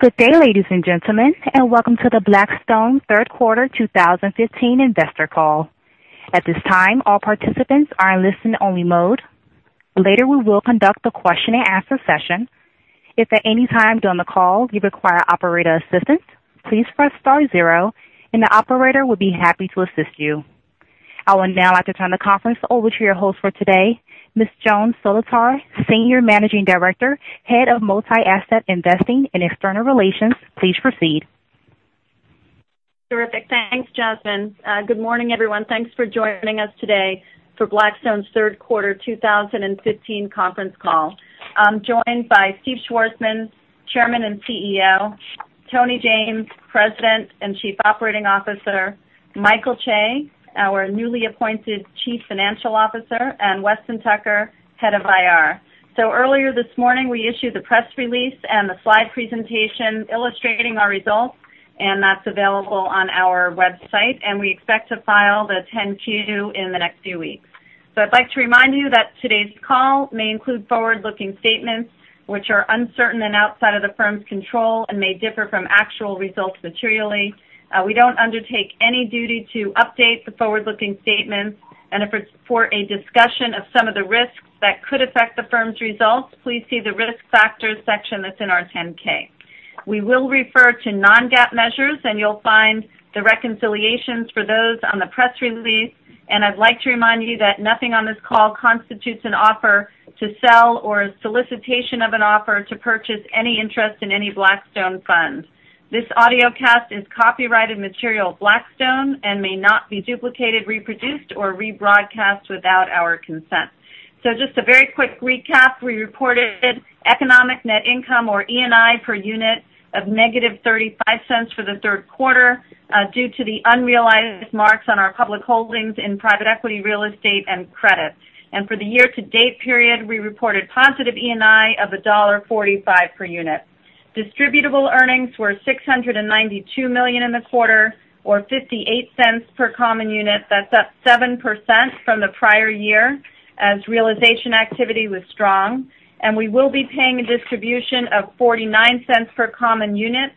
Good day, ladies and gentlemen, welcome to the Blackstone Third Quarter 2015 Investor Call. At this time, all participants are in listen only mode. Later, we will conduct the question-and-answer session. If at any time during the call you require operator assistance, please press star 0 and the operator will be happy to assist you. I would now like to turn the conference over to your host for today, Ms. Joan Solotar, Senior Managing Director, Head of Multi-Asset Investing and External Relations. Please proceed. Terrific. Thanks, Jasmine. Good morning, everyone. Thanks for joining us today for Blackstone's Third Quarter 2015 conference call. I'm joined by Steve Schwarzman, Chairman and CEO, Tony James, President and Chief Operating Officer, Michael Chae, our newly appointed Chief Financial Officer, and Weston Tucker, Head of IR. Earlier this morning, we issued the press release and the slide presentation illustrating our results, that's available on our website, we expect to file the 10-Q in the next few weeks. I'd like to remind you that today's call may include forward-looking statements which are uncertain and outside of the firm's control and may differ from actual results materially. We don't undertake any duty to update the forward-looking statements, for a discussion of some of the risks that could affect the firm's results, please see the Risk Factors section that's in our 10-K. We will refer to non-GAAP measures, you'll find the reconciliations for those on the press release, I'd like to remind you that nothing on this call constitutes an offer to sell or a solicitation of an offer to purchase any interest in any Blackstone funds. This audiocast is copyrighted material of Blackstone and may not be duplicated, reproduced, or rebroadcast without our consent. Just a very quick recap. We reported economic net income, or ENI, per unit of negative $0.35 for the third quarter due to the unrealized marks on our public holdings in private equity, real estate, and credit. For the year-to-date period, we reported positive ENI of $1.45 per unit. Distributable earnings were $692 million in the quarter, or $0.58 per common unit. That's up 7% from the prior year as realization activity was strong. We will be paying a distribution of $0.49 per common unit.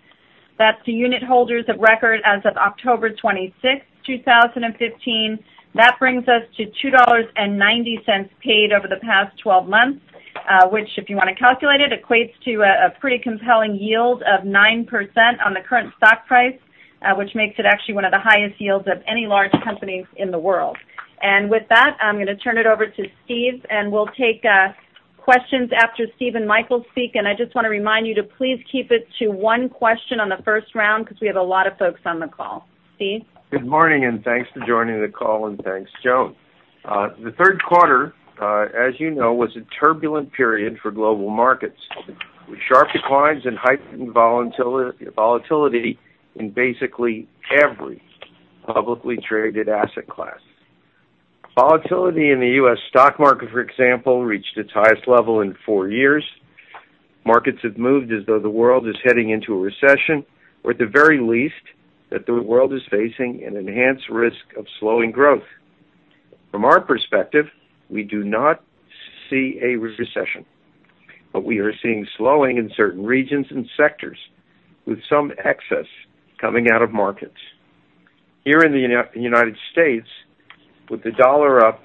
That's to unit holders of record as of October 26, 2015. That brings us to $2.90 paid over the past 12 months, which, if you want to calculate it, equates to a pretty compelling yield of 9% on the current stock price, which makes it actually one of the highest yields of any large company in the world. With that, I'm going to turn it over to Steve, we'll take questions after Steve and Michael speak. I just want to remind you to please keep it to one question on the first round because we have a lot of folks on the call. Steve? Good morning, thanks for joining the call, and thanks, Joan. The third quarter, as you know, was a turbulent period for global markets with sharp declines and heightened volatility in basically every publicly traded asset class. Volatility in the U.S. stock market, for example, reached its highest level in four years. Markets have moved as though the world is heading into a recession, or at the very least, that the world is facing an enhanced risk of slowing growth. From our perspective, we do not see a recession, but we are seeing slowing in certain regions and sectors with some excess coming out of markets. Here in the United States, with the dollar up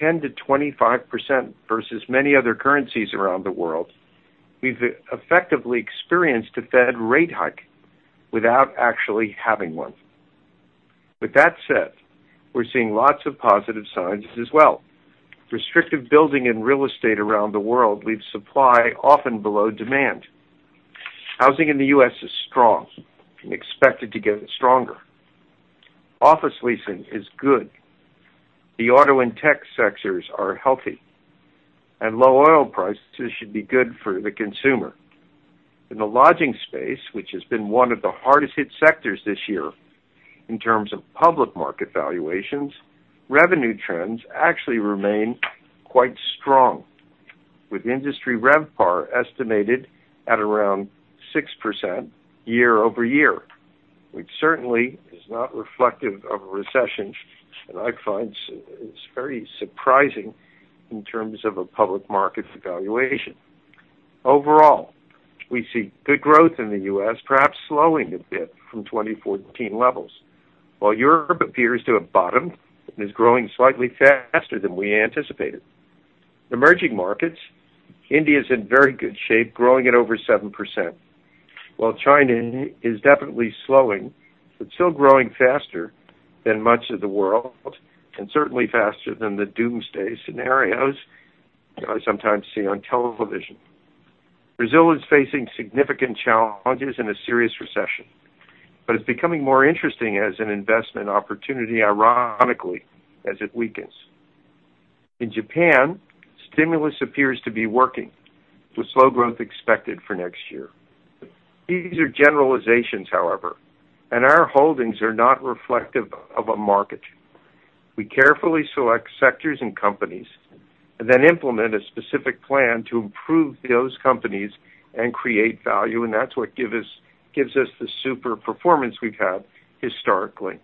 10%-25% versus many other currencies around the world, we've effectively experienced a Fed rate hike without actually having one. With that said, we're seeing lots of positive signs as well. Restrictive building in real estate around the world leaves supply often below demand. Housing in the U.S. is strong and expected to get stronger. Office leasing is good. The auto and tech sectors are healthy. Low oil prices should be good for the consumer. In the lodging space, which has been one of the hardest hit sectors this year in terms of public market valuations, revenue trends actually remain quite strong, with industry RevPAR estimated at around 6% year-over-year, which certainly is not reflective of a recession, and I find it's very surprising in terms of a public markets valuation. Overall, we see good growth in the U.S. perhaps slowing a bit from 2014 levels. Europe appears to have bottomed and is growing slightly faster than we anticipated. Emerging markets, India's in very good shape, growing at over 7%. China is definitely slowing, it's still growing faster than much of the world, and certainly faster than the doomsday scenarios you sometimes see on television. Brazil is facing significant challenges in a serious recession, but it's becoming more interesting as an investment opportunity, ironically, as it weakens. In Japan, stimulus appears to be working with slow growth expected for next year. These are generalizations, however, and our holdings are not reflective of a market. We carefully select sectors and companies and then implement a specific plan to improve those companies and create value, and that's what gives us the super performance we've had historically.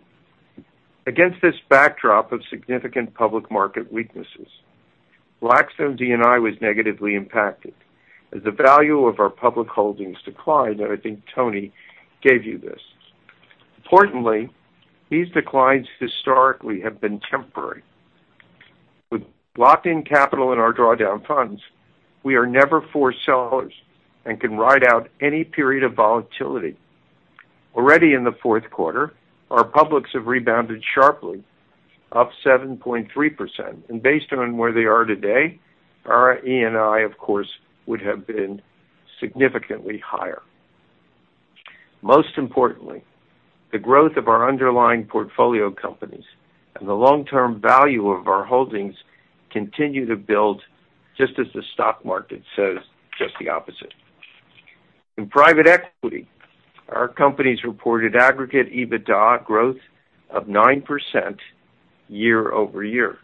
Against this backdrop of significant public market weaknesses, Blackstone DE was negatively impacted as the value of our public holdings declined, and I think Tony gave you this. Importantly, these declines historically have been temporary. With locked-in capital in our drawdown funds, we are never forced sellers and can ride out any period of volatility. Already in the fourth quarter, our publics have rebounded sharply, up 7.3%. Based on where they are today, our ENI, of course, would have been significantly higher. Most importantly, the growth of our underlying portfolio companies and the long-term value of our holdings continue to build just as the stock market says just the opposite. In private equity, our companies reported aggregate EBITDA growth of 9% year-over-year.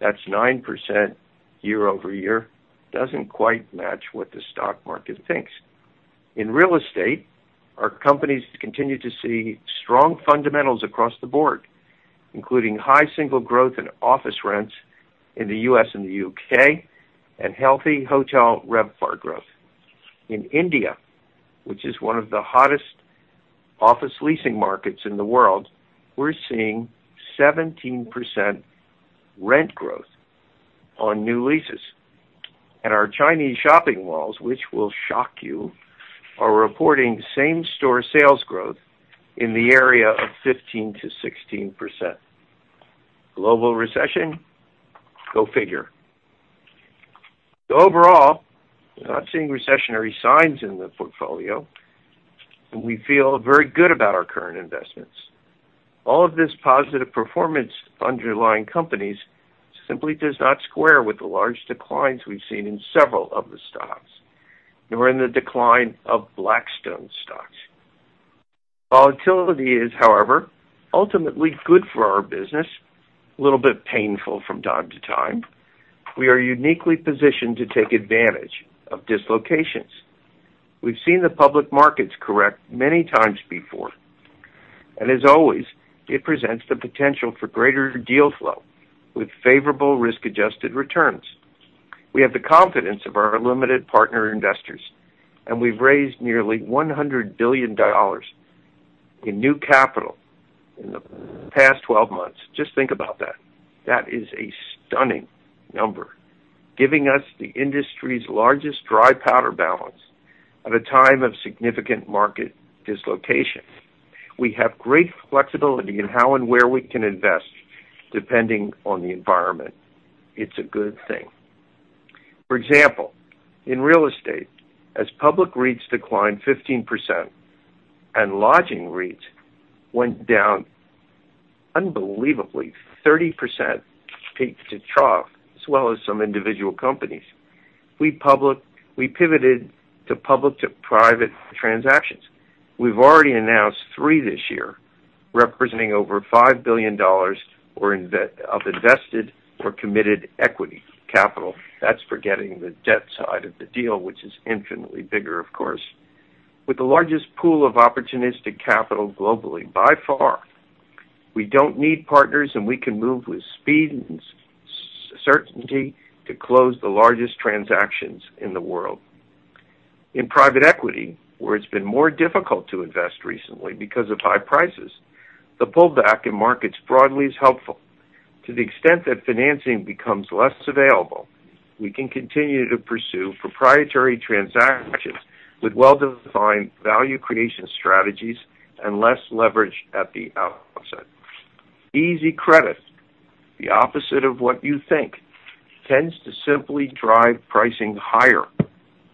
That's 9% year-over-year. Doesn't quite match what the stock market thinks. In real estate, our companies continue to see strong fundamentals across the board, including high single growth in office rents in the U.S. and the U.K., and healthy hotel RevPAR growth. In India, which is one of the hottest office leasing markets in the world, we're seeing 17% rent growth on new leases. Our Chinese shopping malls, which will shock you, are reporting same-store sales growth in the area of 15%-16%. Global recession, go figure. Overall, we're not seeing recessionary signs in the portfolio, and we feel very good about our current investments. All of this positive performance underlying companies simply does not square with the large declines we've seen in several of the stocks, nor in the decline of Blackstone stocks. Volatility is, however, ultimately good for our business, a little bit painful from time to time. We are uniquely positioned to take advantage of dislocations. We've seen the public markets correct many times before, and as always, it presents the potential for greater deal flow with favorable risk-adjusted returns. We have the confidence of our limited partner investors, and we've raised nearly $100 billion in new capital in the past 12 months. Just think about that. That is a stunning number, giving us the industry's largest dry powder balance at a time of significant market dislocation. We have great flexibility in how and where we can invest depending on the environment. It's a good thing. For example, in real estate, as public REITs declined 15% and lodging REITs went down unbelievably 30% peak to trough, as well as some individual companies. We pivoted to public to private transactions. We've already announced three this year, representing over $5 billion of invested or committed equity capital. That's forgetting the debt side of the deal, which is infinitely bigger, of course. With the largest pool of opportunistic capital globally, by far, we don't need partners, and we can move with speed and certainty to close the largest transactions in the world. In private equity, where it's been more difficult to invest recently because of high prices, the pullback in markets broadly is helpful. To the extent that financing becomes less available, we can continue to pursue proprietary transactions with well-defined value creation strategies and less leverage at the outset. Easy credit, the opposite of what you think, tends to simply drive pricing higher,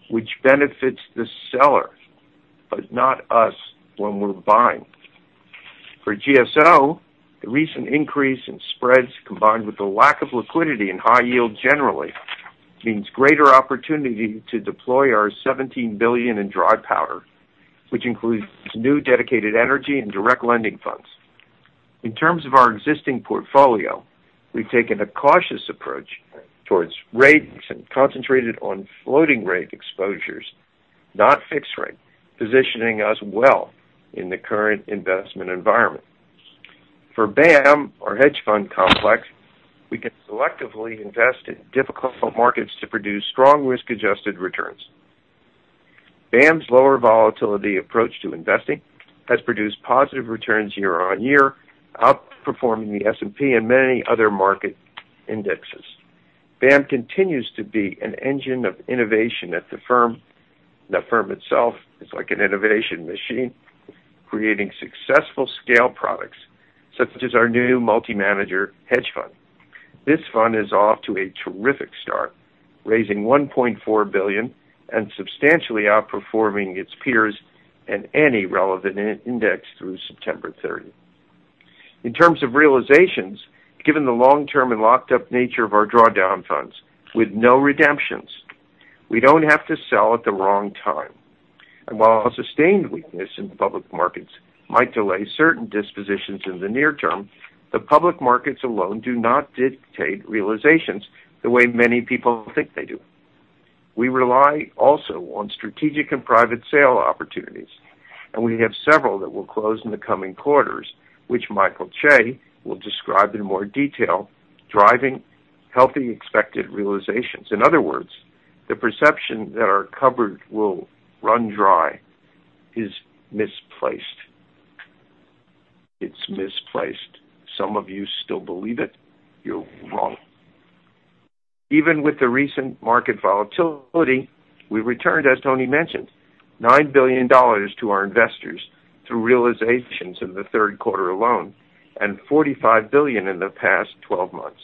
which benefits the seller, but not us when we're buying. For GSO, the recent increase in spreads, combined with the lack of liquidity in high yield generally, means greater opportunity to deploy our $17 billion in dry powder, which includes new dedicated energy and direct lending funds. In terms of our existing portfolio, we've taken a cautious approach towards rates and concentrated on floating rate exposures, not fixed rate, positioning us well in the current investment environment. For BAAM, our hedge fund complex, we can selectively invest in difficult markets to produce strong risk-adjusted returns. BAAM's lower volatility approach to investing has produced positive returns year-over-year, outperforming the S&P and many other market indexes. BAAM continues to be an engine of innovation at the firm. The firm itself is like an innovation machine, creating successful scale products, such as our new multi-manager hedge fund. This fund is off to a terrific start, raising $1.4 billion and substantially outperforming its peers and any relevant index through September 30th. In terms of realizations, given the long-term and locked-up nature of our drawdown funds with no redemptions, we don't have to sell at the wrong time. While a sustained weakness in public markets might delay certain dispositions in the near term, the public markets alone do not dictate realizations the way many people think they do. We rely also on strategic and private sale opportunities, and we have several that will close in the coming quarters, which Michael Chae will describe in more detail, driving healthy expected realizations. In other words, the perception that our cupboard will run dry is misplaced. It's misplaced. Some of you still believe it, you're wrong. Even with the recent market volatility, we returned, as Tony mentioned, $9 billion to our investors through realizations in the third quarter alone, and $45 billion in the past 12 months.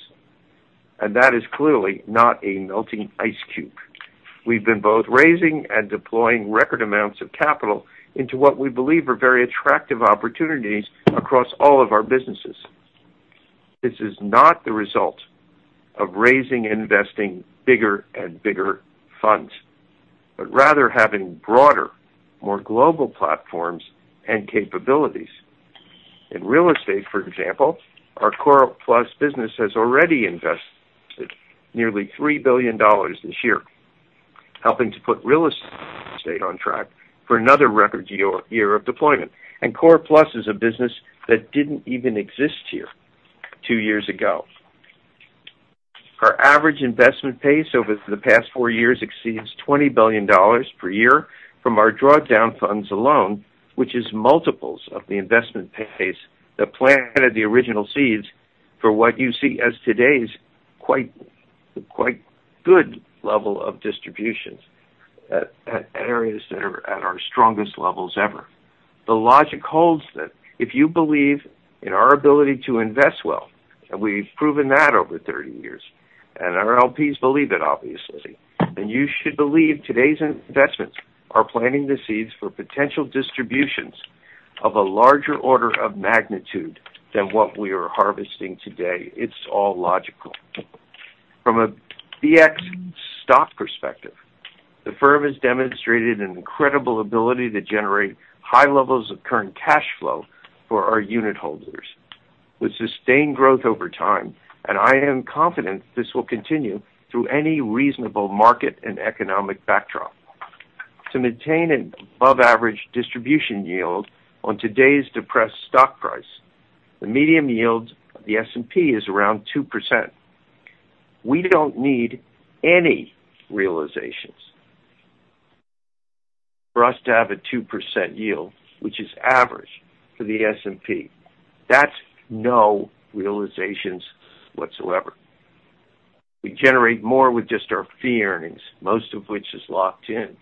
That is clearly not a melting ice cube. We've been both raising and deploying record amounts of capital into what we believe are very attractive opportunities across all of our businesses. This is not the result of raising and investing bigger and bigger funds, but rather having broader, more global platforms and capabilities. In real estate, for example, our Core Plus business has already invested nearly $3 billion this year, helping to put real estate on track for another record year of deployment. Core Plus is a business that didn't even exist here two years ago. Our average investment pace over the past four years exceeds $20 billion per year from our drawdown funds alone, which is multiples of the investment pace that planted the original seeds for what you see as today's quite good level of distributions at areas that are at our strongest levels ever. The logic holds that if you believe in our ability to invest well, and we've proven that over 30 years, and our LPs believe it, obviously, then you should believe today's investments are planting the seeds for potential distributions of a larger order of magnitude than what we are harvesting today. It's all logical. From a BX stock perspective, the firm has demonstrated an incredible ability to generate high levels of current cash flow for our unit holders with sustained growth over time. I am confident this will continue through any reasonable market and economic backdrop. To maintain an above average distribution yield on today's depressed stock price, the medium yield of the S&P is around 2%. We don't need any realizations for us to have a 2% yield, which is average for the S&P. That's no realizations whatsoever. We generate more with just our fee earnings, most of which is locked in.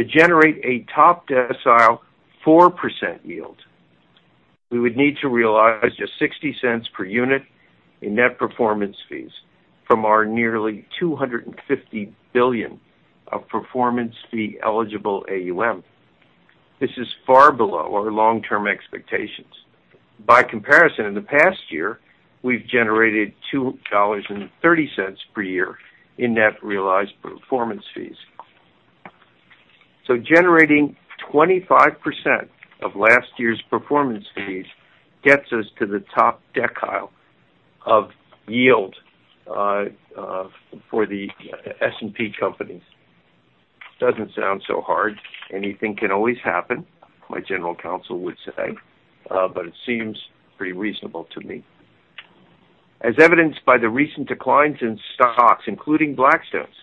To generate a top decile 4% yield, we would need to realize just $0.60 per unit in net performance fees from our nearly $250 billion of performance fee eligible AUM. This is far below our long-term expectations. By comparison, in the past year, we've generated $2.30 per year in net realized performance fees. Generating 25% of last year's performance fees gets us to the top decile of yield for the S&P companies. Doesn't sound so hard. Anything can always happen, my general counsel would say, but it seems pretty reasonable to me. As evidenced by the recent declines in stocks, including Blackstone's,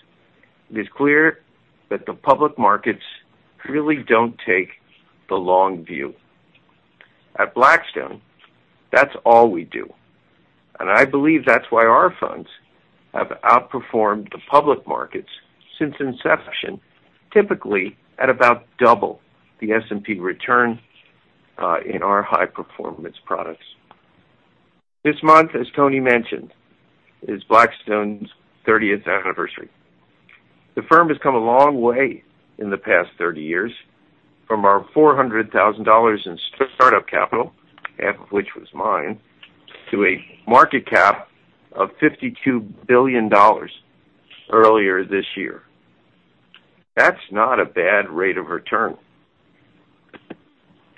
it is clear that the public markets really don't take the long view. At Blackstone, that's all we do, and I believe that's why our funds have outperformed the public markets since inception, typically at about double the S&P return, in our high performance products. This month, as Tony mentioned, is Blackstone's 30th anniversary. The firm has come a long way in the past 30 years from our $400,000 in startup capital, half of which was mine, to a market cap of $52 billion earlier this year. That's not a bad rate of return.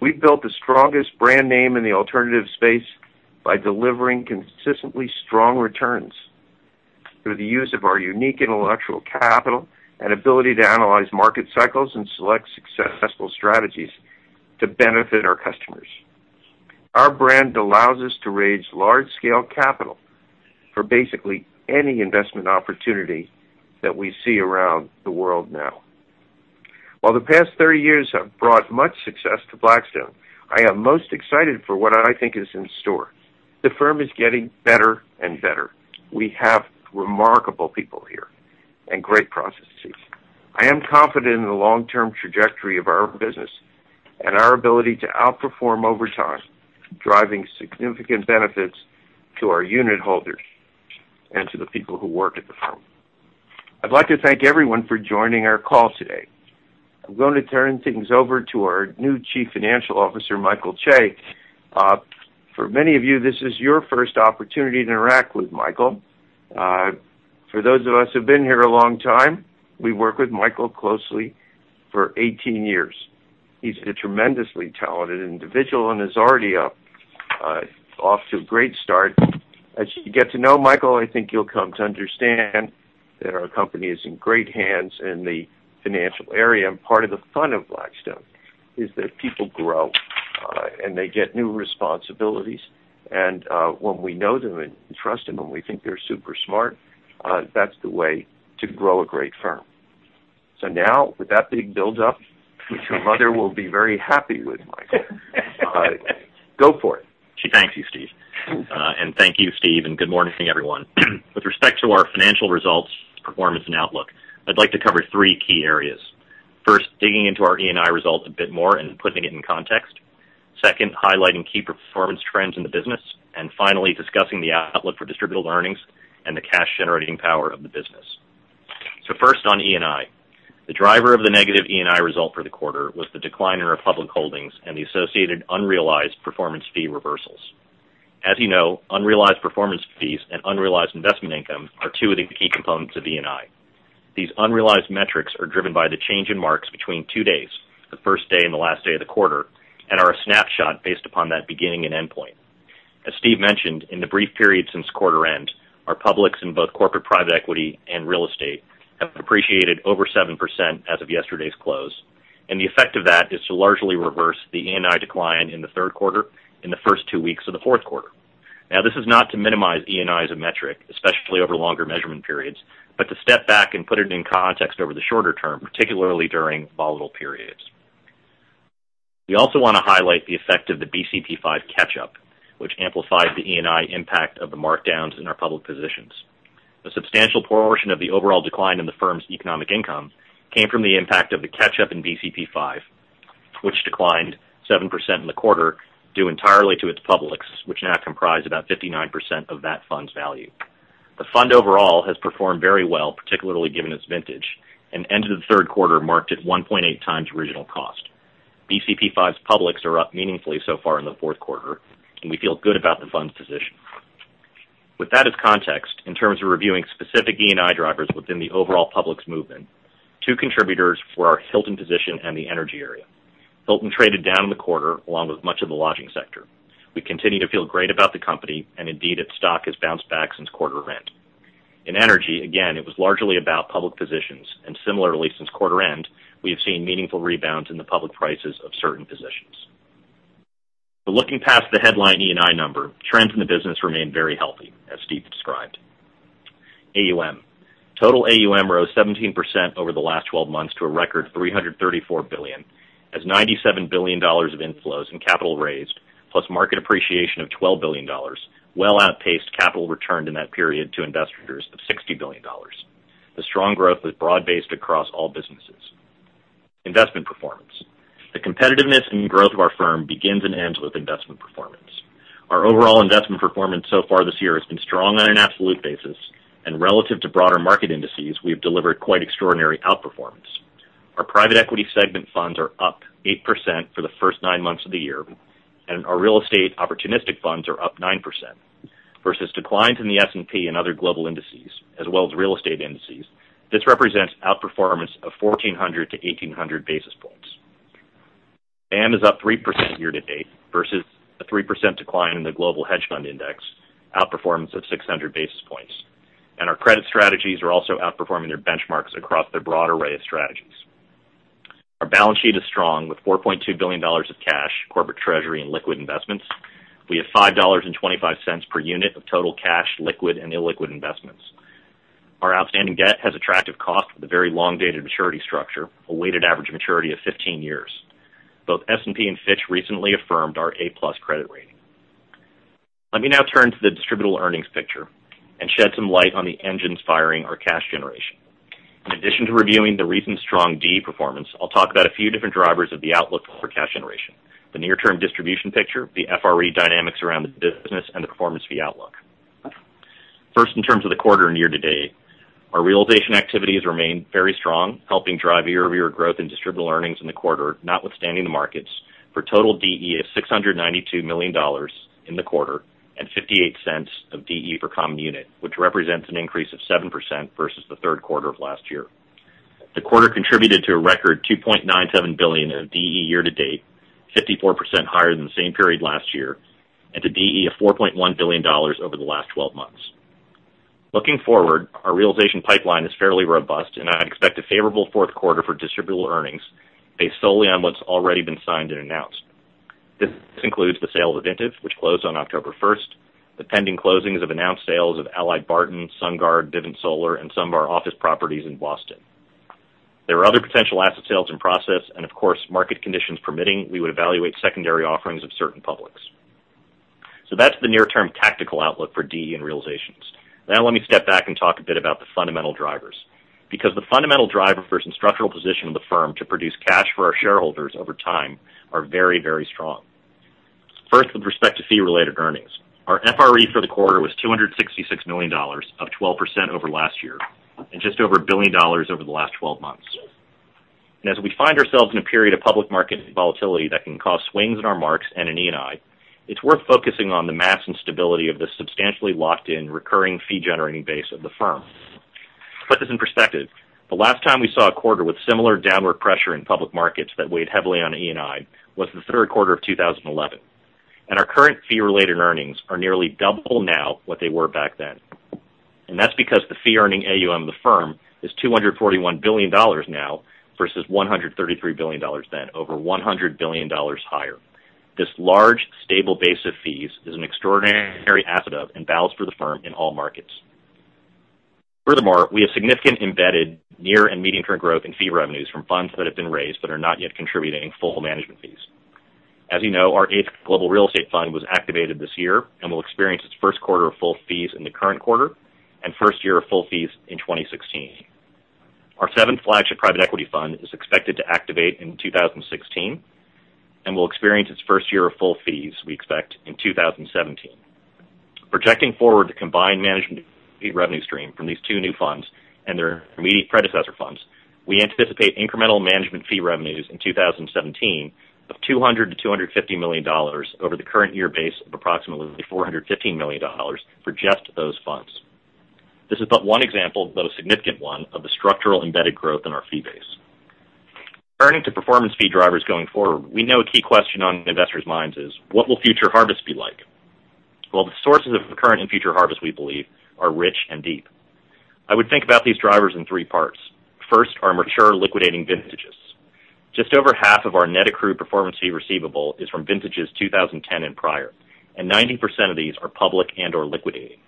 We've built the strongest brand name in the alternative space by delivering consistently strong returns through the use of our unique intellectual capital and ability to analyze market cycles and select successful strategies to benefit our customers. Our brand allows us to raise large-scale capital for basically any investment opportunity that we see around the world now. While the past 30 years have brought much success to Blackstone, I am most excited for what I think is in store. The firm is getting better and better. We have remarkable people here and great processes. I am confident in the long-term trajectory of our business and our ability to outperform over time, driving significant benefits to our unit holders and to the people who work at the firm. I'd like to thank everyone for joining our call today. I'm going to turn things over to our new Chief Financial Officer, Michael Chae. For many of you, this is your first opportunity to interact with Michael. For those of us who've been here a long time, we worked with Michael closely for 18 years. He's a tremendously talented individual and is already off to a great start. As you get to know Michael, I think you'll come to understand that our company is in great hands in the financial area. Part of the fun of Blackstone is that people grow, and they get new responsibilities. When we know them and trust them, and we think they're super smart, that's the way to grow a great firm. Now, with that big build up, which your mother will be very happy with Michael. Go for it. She thanks you, Steve. Thank you, Steve, and good morning, everyone. With respect to our financial results, performance, and outlook, I'd like to cover three key areas. First, digging into our ENI results a bit more and putting it in context. Second, highlighting key performance trends in the business. Finally, discussing the outlook for distributable earnings and the cash-generating power of the business. First on ENI. The driver of the negative ENI result for the quarter was the decline in our public holdings and the associated unrealized performance fee reversals. As you know, unrealized performance fees and unrealized investment income are two of the key components of ENI. These unrealized metrics are driven by the change in marks between two days, the first day and the last day of the quarter, and are a snapshot based upon that beginning and endpoint. As Steve mentioned, in the brief period since quarter end, our publics in both corporate private equity and real estate have appreciated over 7% as of yesterday's close, and the effect of that is to largely reverse the ENI decline in the third quarter in the first two weeks of the fourth quarter. This is not to minimize ENI as a metric, especially over longer measurement periods, but to step back and put it in context over the shorter term, particularly during volatile periods. We also want to highlight the effect of the BCP V catch-up, which amplified the ENI impact of the markdowns in our public positions. A substantial portion of the overall decline in the firm's economic income came from the impact of the catch-up in BCP V, which declined 7% in the quarter, due entirely to its publics, which now comprise about 59% of that fund's value. The fund overall has performed very well, particularly given its vintage, and ended the third quarter marked at 1.8 times original cost. BCP V's publics are up meaningfully so far in the fourth quarter, and we feel good about the fund's position. With that as context, in terms of reviewing specific ENI drivers within the overall publics movement, two contributors were our Hilton position and the energy area. Hilton traded down in the quarter, along with much of the lodging sector. We continue to feel great about the company, and indeed, its stock has bounced back since quarter end. In energy, again, it was largely about public positions, and similarly, since quarter end, we have seen meaningful rebounds in the public prices of certain positions. Looking past the headline ENI number, trends in the business remain very healthy, as Steve described. AUM. Total AUM rose 17% over the last 12 months to a record $334 billion, as $97 billion of inflows and capital raised, plus market appreciation of $12 billion, well outpaced capital returned in that period to investors of $60 billion. The strong growth was broad-based across all businesses. Investment performance. The competitiveness and growth of our firm begins and ends with investment performance. Our overall investment performance so far this year has been strong on an absolute basis, and relative to broader market indices, we have delivered quite extraordinary outperformance. Our private equity segment funds are up 8% for the first nine months of the year, and our real estate opportunistic funds are up 9%, versus declines in the S&P and other global indices, as well as real estate indices. This represents outperformance of 1,400 to 1,800 basis points. BAAM is up 3% year to date versus a 3% decline in the Global Hedge Fund Index, outperformance of 600 basis points. Our credit strategies are also outperforming their benchmarks across their broad array of strategies. Our balance sheet is strong with $4.2 billion of cash, corporate treasury, and liquid investments. We have $5.25 per unit of total cash, liquid and illiquid investments. Our outstanding debt has attractive cost with a very long dated maturity structure, a weighted average maturity of 15 years. Both S&P and Fitch recently affirmed our A+ credit rating. Let me now turn to the distributable earnings picture and shed some light on the engines firing our cash generation. In addition to reviewing the recent strong DE performance, I will talk about a few different drivers of the outlook for cash generation, the near-term distribution picture, the FRE dynamics around the business, and the performance fee outlook. First, in terms of the quarter and year-to-date, our realization activities remain very strong, helping drive year-over-year growth in distributable earnings in the quarter, notwithstanding the markets, for total DE of $692 million in the quarter and $0.58 of DE per common unit, which represents an increase of 7% versus the third quarter of last year. The quarter contributed to a record $2.97 billion in DE year-to-date, 54% higher than the same period last year, and to DE of $4.1 billion over the last 12 months. Looking forward, our realization pipeline is fairly robust. I would expect a favorable fourth quarter for distributable earnings based solely on what has already been signed and announced. This includes the sale of Avintiv, which closed on October 1st, the pending closings of announced sales of AlliedBarton, SunGard, Vivint Solar, and some of our office properties in Boston. There are other potential asset sales in process, and of course, market conditions permitting, we would evaluate secondary offerings of certain publics. That is the near-term tactical outlook for DE and realizations. Now let me step back and talk a bit about the fundamental drivers, because the fundamental drivers and structural position of the firm to produce cash for our shareholders over time are very, very strong. First, with respect to fee-related earnings. Our FRE for the quarter was $266 million, up 12% over last year, and just over $1 billion over the last 12 months. As we find ourselves in a period of public market volatility that can cause swings in our marks and in ENI, it is worth focusing on the mass and stability of the substantially locked-in recurring fee-generating base of the firm. To put this in perspective, the last time we saw a quarter with similar downward pressure in public markets that weighed heavily on ENI was the third quarter of 2011. Our current fee-related earnings are nearly double now what they were back then. That is because the fee-earning AUM of the firm is $241 billion now versus $133 billion then, over $100 billion higher. This large, stable base of fees is an extraordinary asset and balance for the firm in all markets. Furthermore, we have significant embedded near and medium-term growth in fee revenues from funds that have been raised but are not yet contributing full management fees. As you know, our eighth global real estate fund was activated this year and will experience its first quarter of full fees in the current quarter and first year of full fees in 2016. Our seventh flagship private equity fund is expected to activate in 2016 and will experience its first year of full fees, we expect, in 2017. Projecting forward the combined management fee revenue stream from these two new funds and their immediate predecessor funds, we anticipate incremental management fee revenues in 2017 of $200 million to $250 million over the current year base of approximately $415 million for just those funds. This is but one example, though a significant one, of the structural embedded growth in our fee base. Turning to performance fee drivers going forward, we know a key question on investors' minds is what will future harvests be like? The sources of current and future harvests, we believe, are rich and deep. I would think about these drivers in three parts. First, our mature liquidating vintages. Just over half of our net accrued performance fee receivable is from vintages 2010 and prior, and 90% of these are public and/or liquidating.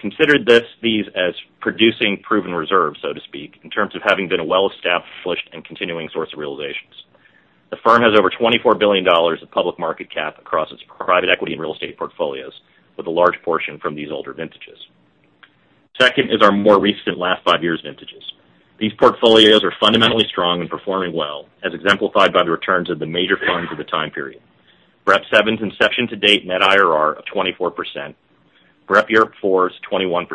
Consider these as producing proven reserves, so to speak, in terms of having been a well-established and continuing source of realizations. The firm has over $24 billion of public market cap across its private equity and real estate portfolios, with a large portion from these older vintages. Second is our more recent last five years vintages. These portfolios are fundamentally strong and performing well, as exemplified by the returns of the major funds of the time period. BREP VII's inception to date net IRR of 24%, BREP Europe IV's 21%,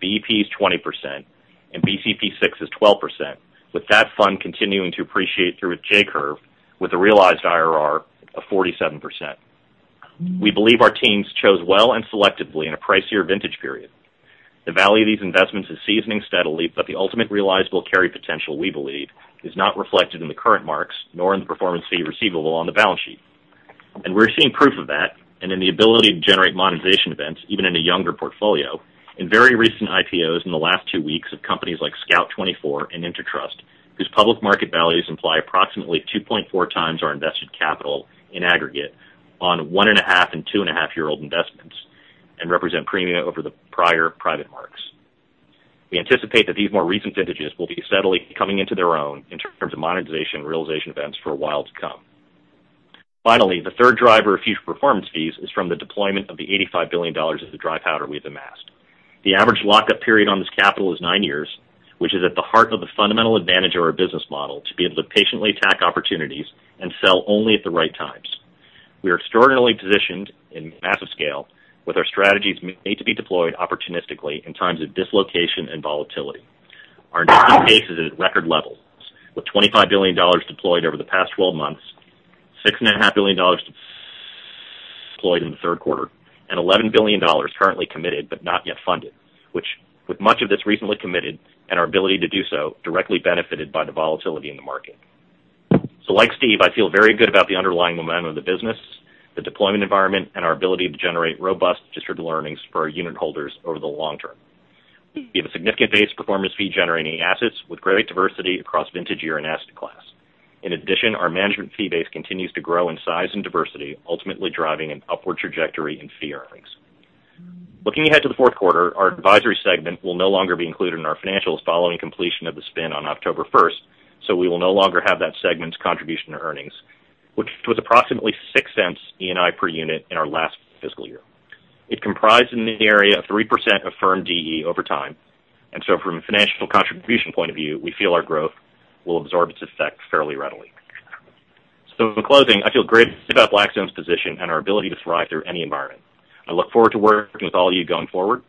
BEP's 20%, and BCP VI is 12%, with that fund continuing to appreciate through its J-curve with a realized IRR of 47%. We believe our teams chose well and selectively in a pricier vintage period. The value of these investments is seasoning steadily, the ultimate realizable carry potential, we believe, is not reflected in the current marks nor in the performance fee receivable on the balance sheet. We're seeing proof of that and in the ability to generate monetization events, even in a younger portfolio, in very recent IPOs in the last two weeks of companies like Scout24 and Intertrust, whose public market values imply approximately 2.4x our invested capital in aggregate on one-and-a-half and two-and-a-half-year-old investments and represent premium over the prior private marks. We anticipate that these more recent vintages will be steadily coming into their own in terms of monetization and realization events for a while to come. The third driver of future performance fees is from the deployment of the $85 billion of the dry powder we've amassed. The average lockup period on this capital is nine years, which is at the heart of the fundamental advantage of our business model to be able to patiently attack opportunities and sell only at the right times. We are extraordinarily positioned in massive scale with our strategies made to be deployed opportunistically in times of dislocation and volatility. Our net new capital raised is at record levels, with $25 billion deployed over the past 12 months, $6.5 billion deployed in the third quarter, and $11 billion currently committed but not yet funded, which with much of this recently committed and our ability to do so directly benefited by the volatility in the market. Like Steve, I feel very good about the underlying momentum of the business, the deployment environment, and our ability to generate robust distributable earnings for our unit holders over the long term. We have a significant base performance fee generating assets with great diversity across vintage year and asset class. In addition, our management fee base continues to grow in size and diversity, ultimately driving an upward trajectory in fee earnings. Looking ahead to the fourth quarter, our advisory segment will no longer be included in our financials following completion of the spin on October 1st. We will no longer have that segment's contribution to earnings, which was approximately $0.06 ENI per unit in our last fiscal year. It comprised in the area of 3% of firm DE over time. From a financial contribution point of view, we feel our growth will absorb its effect fairly readily. In closing, I feel great about Blackstone's position and our ability to thrive through any environment. I look forward to working with all of you going forward.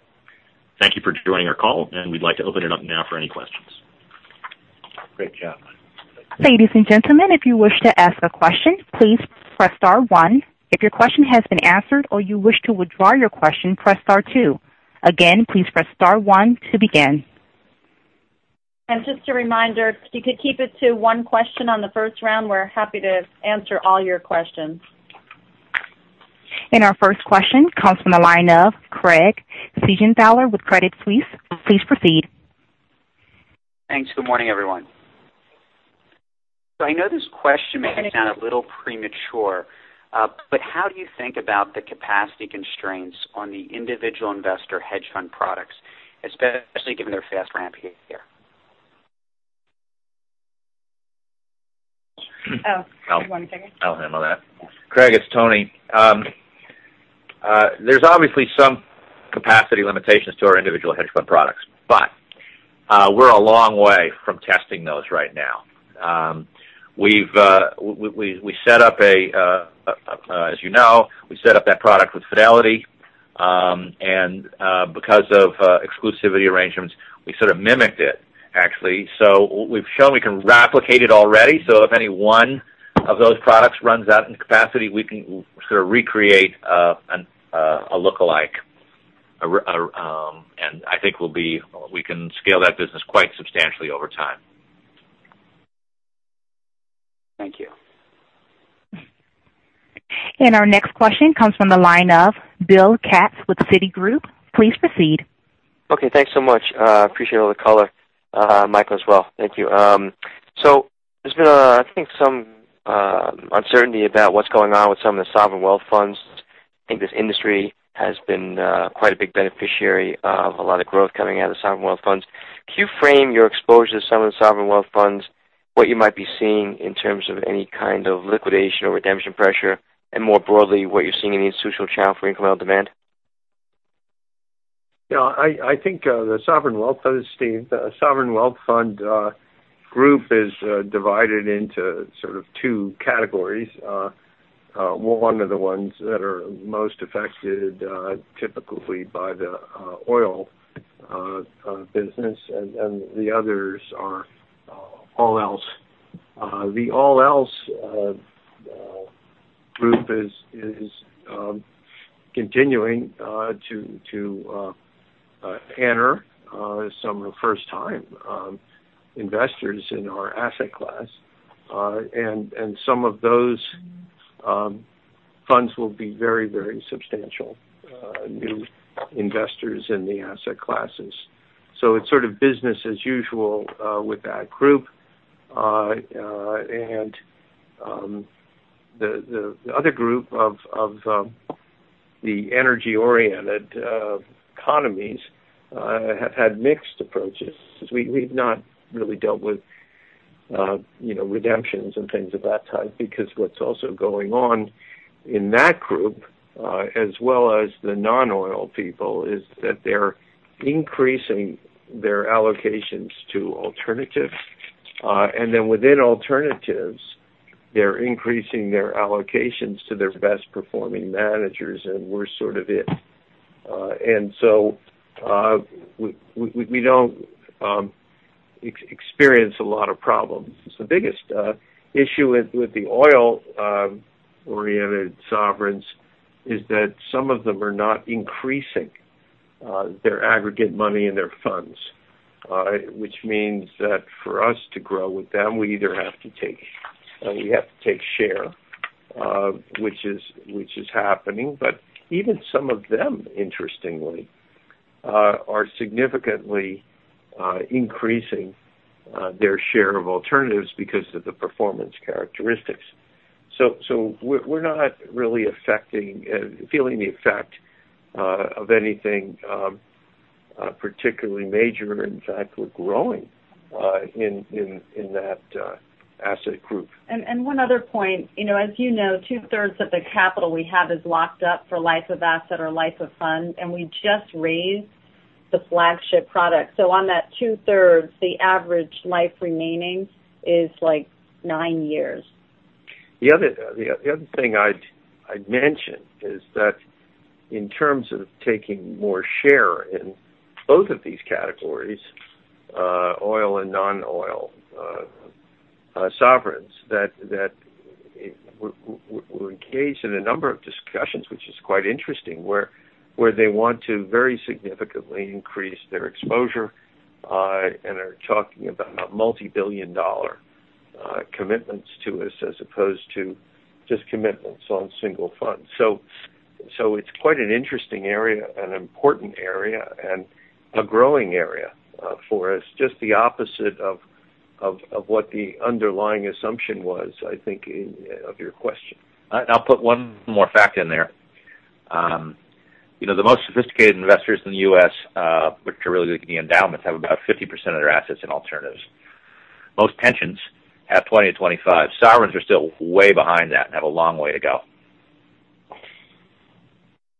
Thank you for joining our call. We'd like to open it up now for any questions. Great job. Ladies and gentlemen, if you wish to ask a question, please press star one. If your question has been answered or you wish to withdraw your question, press star two. Again, please press star one to begin. Just a reminder, if you could keep it to one question on the first round, we're happy to answer all your questions. Our first question comes from the line of Craig Siegenthaler with Credit Suisse. Please proceed. Thanks. Good morning, everyone. I know this question may sound a little premature, but how do you think about the capacity constraints on the individual investor hedge fund products, especially given their fast ramp here? One second. I'll handle that. Craig, it's Tony. There's obviously some capacity limitations to our individual hedge fund products. We're a long way from testing those right now. As you know, we set up that product with Fidelity. Because of exclusivity arrangements, we sort of mimicked it, actually. We've shown we can replicate it already. If any one Of those products runs out in capacity, we can sort of recreate a lookalike. I think we can scale that business quite substantially over time. Thank you. Our next question comes from the line of Bill Katz with Citigroup. Please proceed. Okay. Thanks so much. Appreciate all the color, Michael, as well. Thank you. There's been, I think, some uncertainty about what's going on with some of the sovereign wealth funds. I think this industry has been quite a big beneficiary of a lot of growth coming out of the sovereign wealth funds. Could you frame your exposure to some of the sovereign wealth funds, what you might be seeing in terms of any kind of liquidation or redemption pressure, and more broadly, what you're seeing in the institutional channel for incremental demand? I think that is Steve. The sovereign wealth fund group is divided into sort of two categories. One are the ones that are most affected, typically by the oil business, and the others are all else. The all else group is continuing to enter some are first-time investors in our asset class. Some of those funds will be very substantial new investors in the asset classes. It's sort of business as usual with that group. The other group of the energy-oriented economies have had mixed approaches. We've not really dealt with redemptions and things of that type, because what's also going on in that group, as well as the non-oil people, is that they're increasing their allocations to alternatives. Within alternatives, they're increasing their allocations to their best-performing managers, and we're sort of it. We don't experience a lot of problems. The biggest issue with the oil-oriented sovereigns is that some of them are not increasing their aggregate money in their funds, which means that for us to grow with them, we either have to take share, which is happening. Even some of them, interestingly, are significantly increasing their share of alternatives because of the performance characteristics. We're not really feeling the effect of anything particularly major. In fact, we're growing in that asset group. One other point. As you know, two-thirds of the capital we have is locked up for life of asset or life of fund, and we just raised the flagship product. On that two-thirds, the average life remaining is nine years. The other thing I'd mention is that in terms of taking more share in both of these categories, oil and non-oil sovereigns, that we're engaged in a number of discussions, which is quite interesting, where they want to very significantly increase their exposure and are talking about multi-billion dollar commitments to us as opposed to just commitments on single funds. It's quite an interesting area, an important area, and a growing area for us, just the opposite of what the underlying assumption was, I think, of your question. I'll put one more fact in there. The most sophisticated investors in the U.S., which are really the endowments, have about 50% of their assets in alternatives. Most pensions have 20%-25%. Sovereigns are still way behind that and have a long way to go.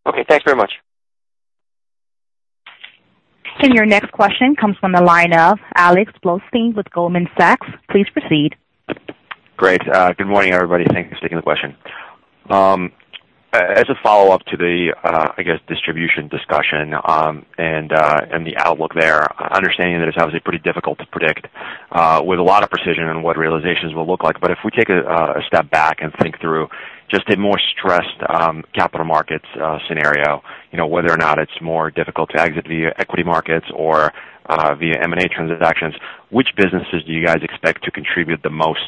Okay, thanks very much. Your next question comes from the line of Alex Blostein with Goldman Sachs. Please proceed. Great. Good morning, everybody. Thanks for taking the question. As a follow-up to the, I guess, distribution discussion and the outlook there, understanding that it's obviously pretty difficult to predict with a lot of precision on what realizations will look like. If we take a step back and think through just a more stressed capital markets scenario, whether or not it's more difficult to exit via equity markets or via M&A transactions, which businesses do you guys expect to contribute the most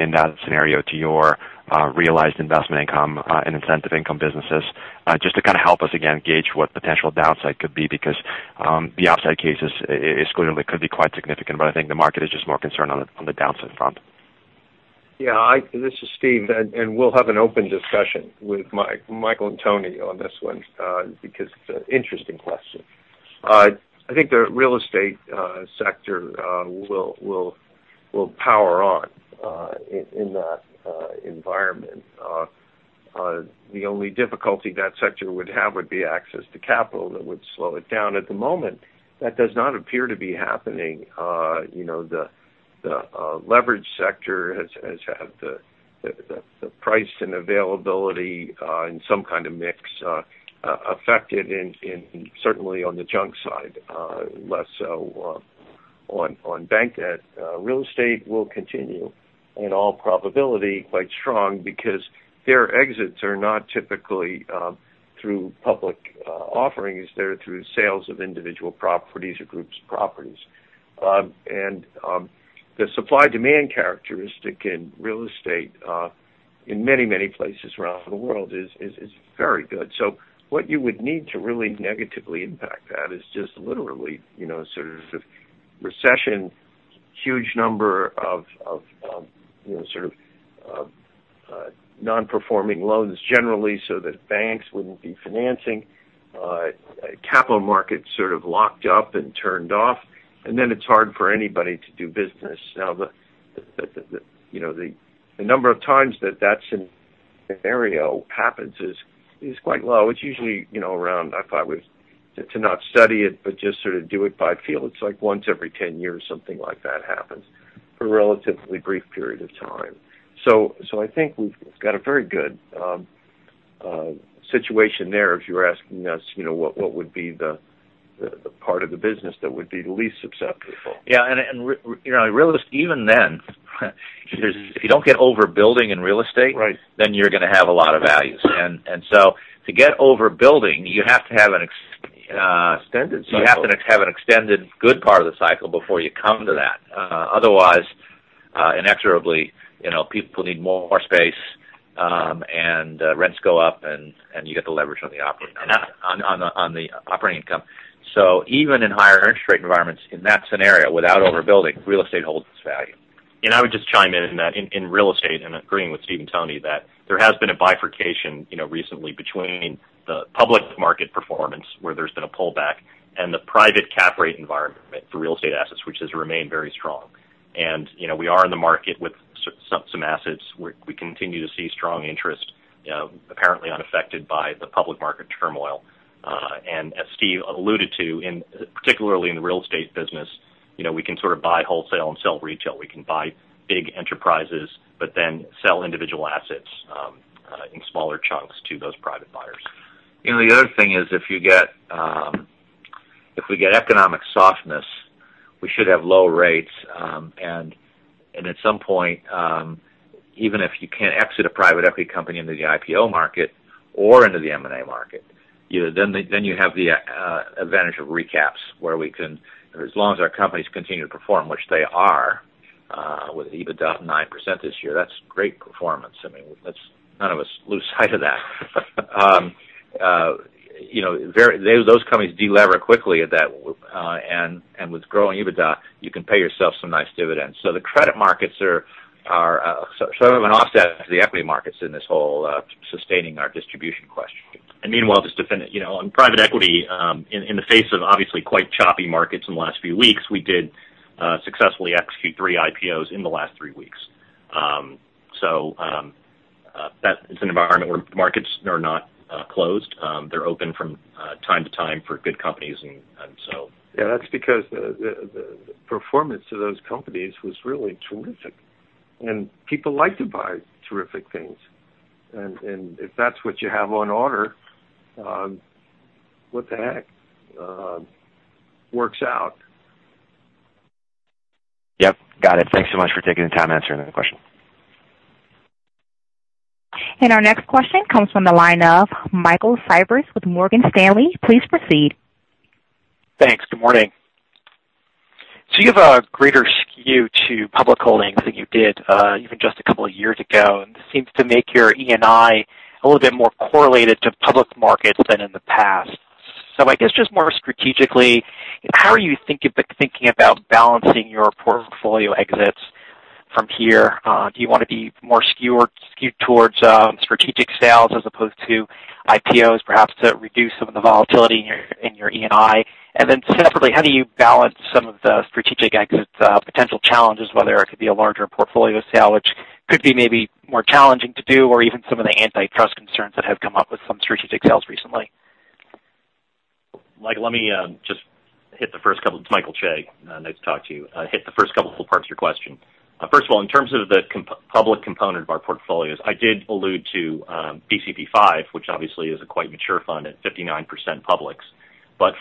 in that scenario to your realized investment income and incentive income businesses? Just to kind of help us again gauge what potential downside could be because the upside cases could be quite significant, but I think the market is just more concerned on the downside front. Yeah. This is Steve. We'll have an open discussion with Michael and Tony on this one because it's an interesting question. I think the real estate sector will power on in that environment. The only difficulty that sector would have would be access to capital that would slow it down. At the moment, that does not appear to be happening. The leverage sector has had the price and availability in some kind of mix affected certainly on the junk side, less so on bank debt. Real estate will continue in all probability, quite strong because their exits are not typically through public offerings. They're through sales of individual properties or groups of properties. The supply-demand characteristic in real estate, in many places around the world is very good. What you would need to really negatively impact that is just literally, sort of recession, huge number of non-performing loans generally so that banks wouldn't be financing. Capital markets sort of locked up and turned off, it's hard for anybody to do business. The number of times that that scenario happens is quite low. It's usually around To not study it, but just sort of do it by feel. It's like once every 10 years something like that happens for a relatively brief period of time. I think we've got a very good situation there if you're asking us what would be the part of the business that would be the least susceptible. Yeah. Even then, if you don't get over-building in real estate- Right You're going to have a lot of values. To get over-building, you have to have an ex- Extended cycle. You have to have an extended good part of the cycle before you come to that. Otherwise, inexorably, people need more space, and rents go up and you get the leverage on the operating income. Even in higher interest rate environments, in that scenario, without over-building, real estate holds its value. I would just chime in that in real estate, agreeing with Steve and Tony, that there has been a bifurcation recently between the public market performance where there's been a pullback and the private cap rate environment for real estate assets which has remained very strong. We are in the market with some assets. We continue to see strong interest, apparently unaffected by the public market turmoil. As Steve alluded to, particularly in the real estate business, we can sort of buy wholesale and sell retail. We can buy big enterprises but then sell individual assets in smaller chunks to those private buyers. The other thing is if we get economic softness, we should have low rates. At some point, even if you can't exit a private equity company into the IPO market or into the M&A market, then you have the advantage of recaps where we can, as long as our companies continue to perform, which they are, with EBITDA up 9% this year. That's great performance. None of us lose sight of that. Those companies de-lever quickly at that. With growing EBITDA, you can pay yourself some nice dividends. The credit markets are sort of an offset to the equity markets in this whole sustaining our distribution question. Meanwhile, just to finish. On private equity, in the face of obviously quite choppy markets in the last few weeks, we did successfully execute three IPOs in the last three weeks. It's an environment where markets are not closed. They're open from time to time for good companies. Yeah, that's because the performance of those companies was really terrific. People like to buy terrific things. If that's what you have on order, what the heck. Works out. Yep. Got it. Thanks so much for taking the time answering that question. Our next question comes from the line of Michael Cyprys with Morgan Stanley. Please proceed. Thanks. Good morning. You have a greater skew to public holdings than you did even just a couple of years ago, and this seems to make your ENI a little bit more correlated to public markets than in the past. I guess just more strategically, how are you thinking about balancing your portfolio exits from here? Do you want to be more skewed towards strategic sales as opposed to IPOs perhaps to reduce some of the volatility in your ENI? Separately, how do you balance some of the strategic exit potential challenges, whether it could be a larger portfolio sale, which could be maybe more challenging to do, or even some of the antitrust concerns that have come up with some strategic sales recently? Mike, let me just hit the first couple. It's Michael Chae. Nice to talk to you. Hit the first couple parts of your question. First of all, in terms of the public component of our portfolios, I did allude to BCP V, which obviously is a quite mature fund at 59% public.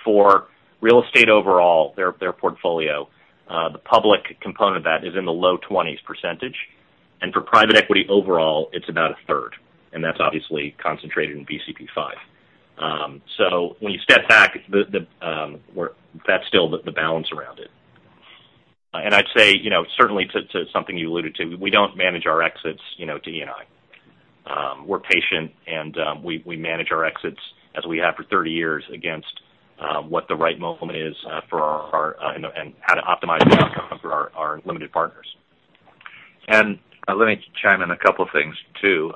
For real estate overall, their portfolio, the public component of that is in the low twenties percentage. For private equity overall, it's about a third, and that's obviously concentrated in BCP V. When you step back, that's still the balance around it. I'd say, certainly to something you alluded to, we don't manage our exits to ENI. We're patient and we manage our exits as we have for 30 years against what the right moment is and how to optimize the outcome for our limited partners. Let me chime in a couple of things too.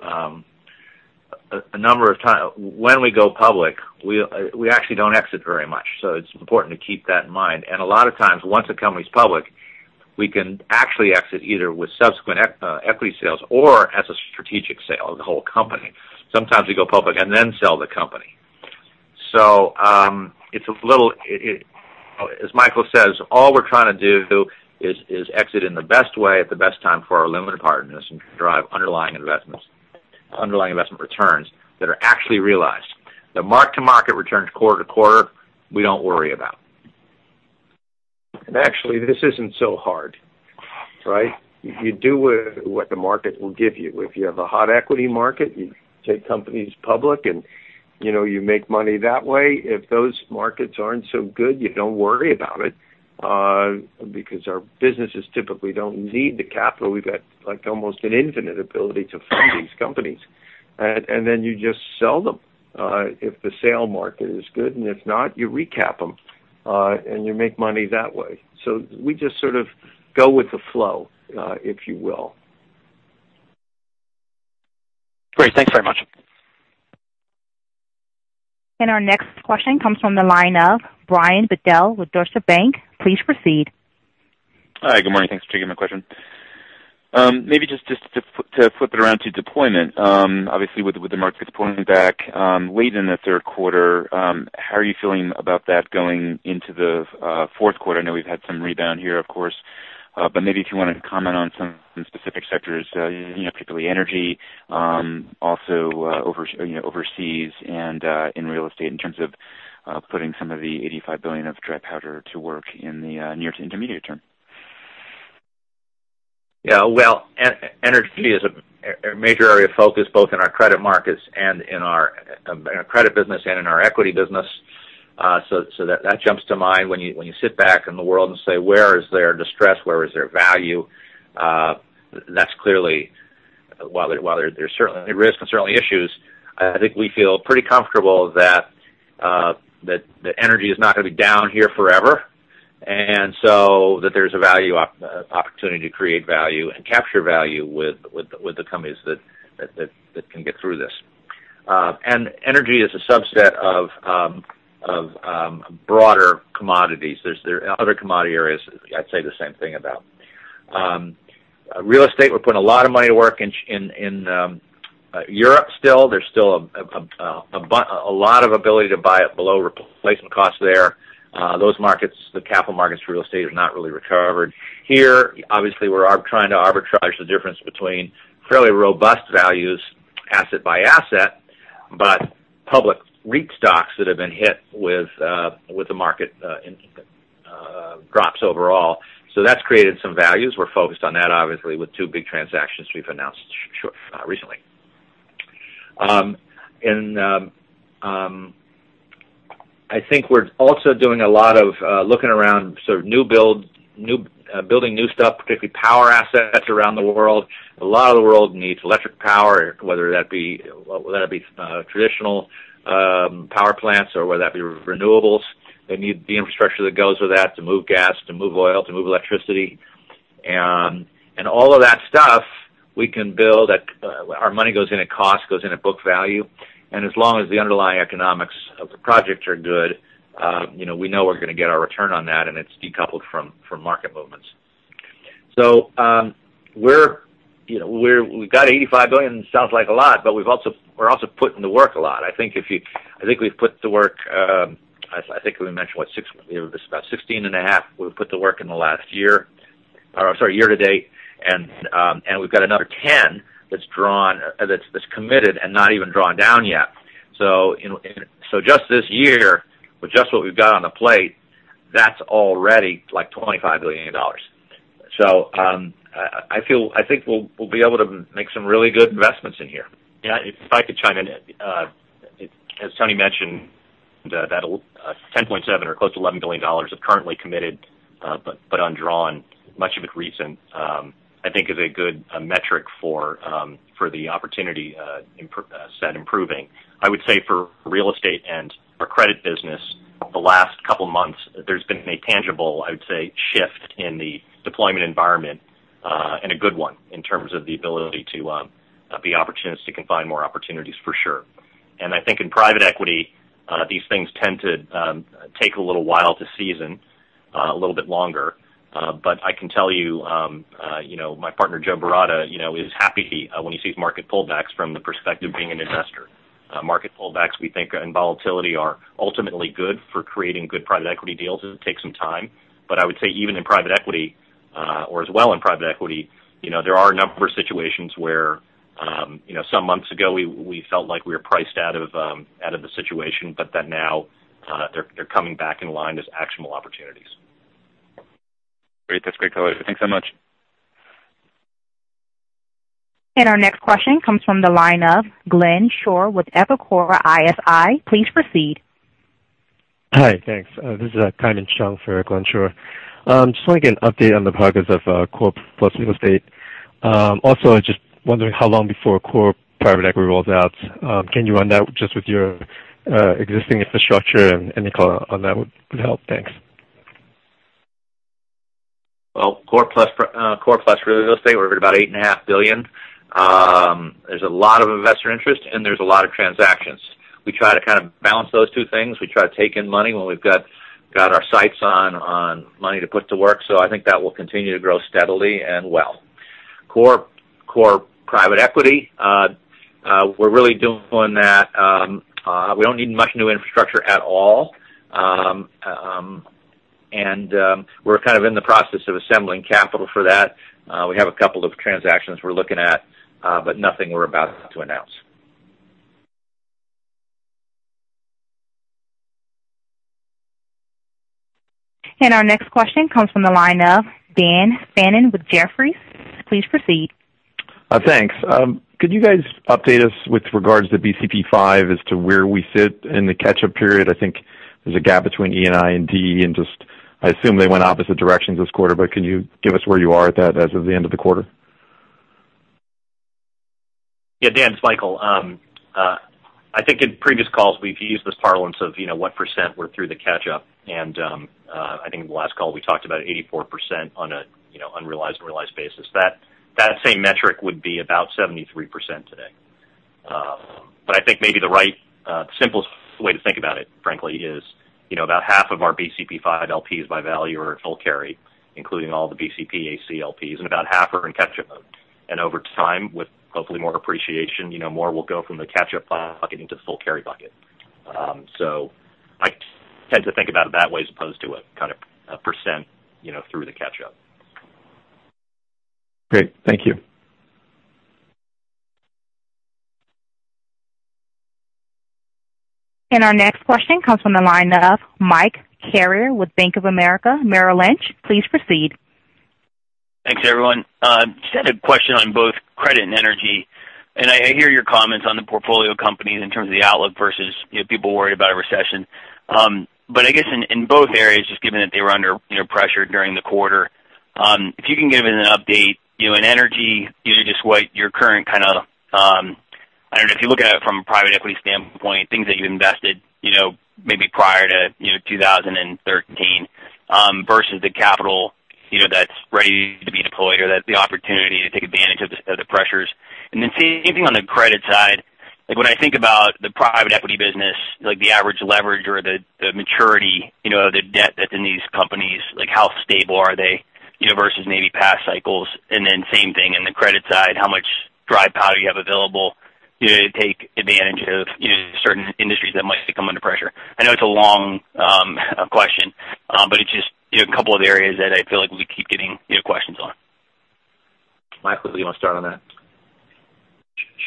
When we go public, we actually don't exit very much. It's important to keep that in mind. A lot of times once a company's public, we can actually exit either with subsequent equity sales or as a strategic sale of the whole company. Sometimes we go public and then sell the company. As Michael says, all we're trying to do is exit in the best way at the best Partners and drive underlying investment returns that are actually realized. The mark-to-market returns quarter-to-quarter, we don't worry about. Actually, this isn't so hard, right? You do what the market will give you. If you have a hot equity market, you take companies public, and you make money that way. If those markets aren't so good, you don't worry about it. Our businesses typically don't need the capital. We've got almost an infinite ability to fund these companies. Then you just sell them, if the sale market is good, and if not, you recap them, and you make money that way. We just sort of go with the flow, if you will. Great. Thanks very much. Our next question comes from the line of Brian Bedell with Deutsche Bank. Please proceed. Hi. Good morning. Thanks for taking my question. Maybe just to flip it around to deployment. Obviously, with the markets pulling back late in the third quarter, how are you feeling about that going into the fourth quarter? I know we've had some rebound here, of course. Maybe if you want to comment on some specific sectors, particularly energy. Also, overseas and in real estate in terms of putting some of the $85 billion of dry powder to work in the near to intermediate term. Yeah. Well, energy is a major area of focus both in our credit business and in our equity business. That jumps to mind when you sit back in the world and say, "Where is there distress? Where is there value?" While there's certainly risk and certainly issues, I think we feel pretty comfortable that energy is not going to be down here forever. So that there's an opportunity to create value and capture value with the companies that can get through this. Energy is a subset of broader commodities. There's other commodity areas I'd say the same thing about. Real estate, we're putting a lot of money to work in Europe still. There's still a lot of ability to buy at below replacement costs there. Those markets, the capital markets for real estate have not really recovered. Here, obviously, we're trying to arbitrage the difference between fairly robust values asset by asset, but public REIT stocks that have been hit with the market drops overall. That's created some values. We're focused on that, obviously, with two big transactions we've announced recently. I think we're also doing a lot of looking around sort of building new stuff, particularly power assets around the world. A lot of the world needs electric power, whether that be traditional power plants or whether that be renewables. They need the infrastructure that goes with that to move gas, to move oil, to move electricity. All of that stuff we can build. Our money goes in at cost, goes in at book value. As long as the underlying economics of the projects are good, we know we're going to get our return on that, and it's decoupled from market movements. We've got $85 billion. It sounds like a lot, but we're also putting the work a lot. I think we mentioned about $16 and a half we've put to work in the last year. Sorry, year to date. We've got another $10 billion that's committed and not even drawn down yet. Just this year, with just what we've got on the plate, that's already like $25 billion. I think we'll be able to make some really good investments in here. Yeah, if I could chime in. As Tony mentioned, that $10.7 or close to $11 billion of currently committed but undrawn, much of it recent, I think is a good metric for the opportunity set improving. I would say for real estate and our credit business, the last couple of months, there's been a tangible, I would say, shift in the deployment environment, and a good one in terms of the ability to be opportunistic and find more opportunities for sure. I think in private equity, these things tend to take a little while to season, a little bit longer. I can tell you, my partner Joseph Baratta is happy when he sees market pullbacks from the perspective of being an investor. Market pullbacks we think and volatility are ultimately good for creating good private equity deals. It takes some time. I would say even in private equity, or as well in private equity, there are a number of situations where some months ago we felt like we were priced out of the situation. That now they're coming back in line as actionable opportunities. Great. That's great color. Thanks so much. Our next question comes from the line of Glenn Schorr with Evercore ISI. Please proceed. Hi. Thanks. This is Kaimon Chung for Glen Schorr. Just want to get an update on the progress of Core Plus real estate. Also, just wondering how long before Core private equity rolls out. Can you run that just with your existing infrastructure? Any color on that would help. Thanks. Well, Core Plus real estate, we're at about eight and a half billion. There's a lot of investor interest and there's a lot of transactions. We try to kind of balance those two things. We try to take in money when we've got our sights on money to put to work. I think that will continue to grow steadily and well. Core private equity. We're really doing that. We don't need much new infrastructure at all. We're kind of in the process of assembling capital for that. We have a couple of transactions we're looking at, but nothing we're about to announce. Our next question comes from the line of Daniel Fannon with Jefferies. Please proceed. Thanks. Could you guys update us with regards to BCP V as to where we sit in the catch-up period? I think there's a gap between ENI and DE, and I assume they went opposite directions this quarter. Can you give us where you are at that as of the end of the quarter? Yeah, Dan, it's Michael. I think in previous calls, we've used this parlance of what % we're through the catch-up. I think in the last call, we talked about 84% on an unrealized, realized basis. That same metric would be about 73% today. I think maybe the right, simplest way to think about it, frankly, is about half of our BCP V LPs by value are in full carry, including all the BCP ACLPs, and about half are in catch-up mode. Over time, with hopefully more appreciation, more will go from the catch-up bucket into the full carry bucket. I tend to think about it that way as opposed to a kind of % through the catch-up. Great. Thank you. Our next question comes from the line of Michael Carrier with Bank of America Merrill Lynch. Please proceed. Thanks, everyone. Just had a question on both credit and energy. I hear your comments on the portfolio companies in terms of the outlook versus people worried about a recession. I guess in both areas, just given that they were under pressure during the quarter, if you can give an update in energy, either just what your current kind of I don't know, if you look at it from a private equity standpoint, things that you invested maybe prior to 2013 versus the capital that's ready to be deployed or the opportunity to take advantage of the pressures. Then same thing on the credit side. When I think about the private equity business, the average leverage or the maturity, the debt that's in these companies, how stable are they versus maybe past cycles? Then same thing in the credit side. How much dry powder you have available to take advantage of certain industries that might come under pressure? I know it's a long question. It's just a couple of areas that I feel like we keep getting questions on. Mike, whether you want to start on that?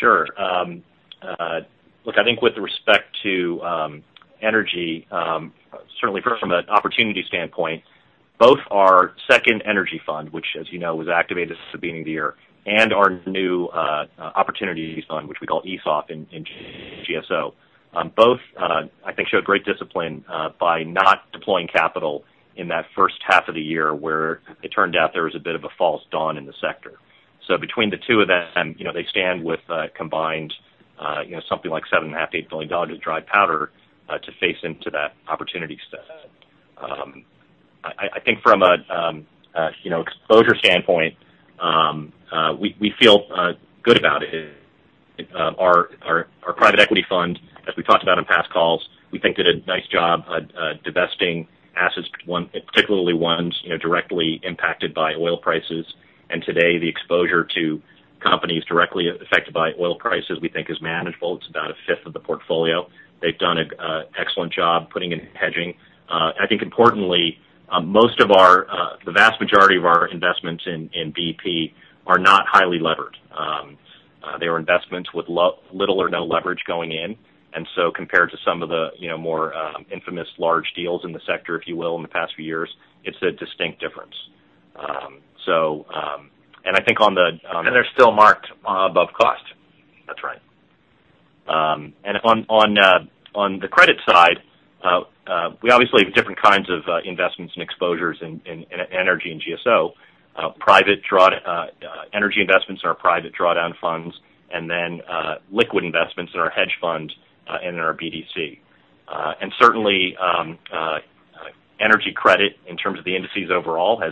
Sure. Look, I think with respect to energy, certainly from an opportunity standpoint, both our second energy fund, which, as you know, was activated this beginning of the year, and our new opportunities fund, which we call ESOF in GSO. Both, I think showed great discipline by not deploying capital in that first half of the year, where it turned out there was a bit of a false dawn in the sector. Between the two of them, they stand with a combined something like $7.5 billion, $8 billion of dry powder to face into that opportunity set. I think from an exposure standpoint, we feel good about it. Our private equity fund, as we talked about on past calls, we think did a nice job divesting assets, particularly ones directly impacted by oil prices. Today, the exposure to companies directly affected by oil prices we think is manageable. It's about a fifth of the portfolio. They've done an excellent job putting in hedging. I think importantly, the vast majority of our investments in BEP are not highly levered. They were investments with little or no leverage going in. Compared to some of the more infamous large deals in the sector, if you will, in the past few years, it's a distinct difference. And I think on the- They're still marked above cost. That's right. On the credit side, we obviously have different kinds of investments and exposures in energy and GSO. Energy investments in our private drawdown funds, then liquid investments in our hedge fund and in our BDC. Certainly, energy credit in terms of the indices overall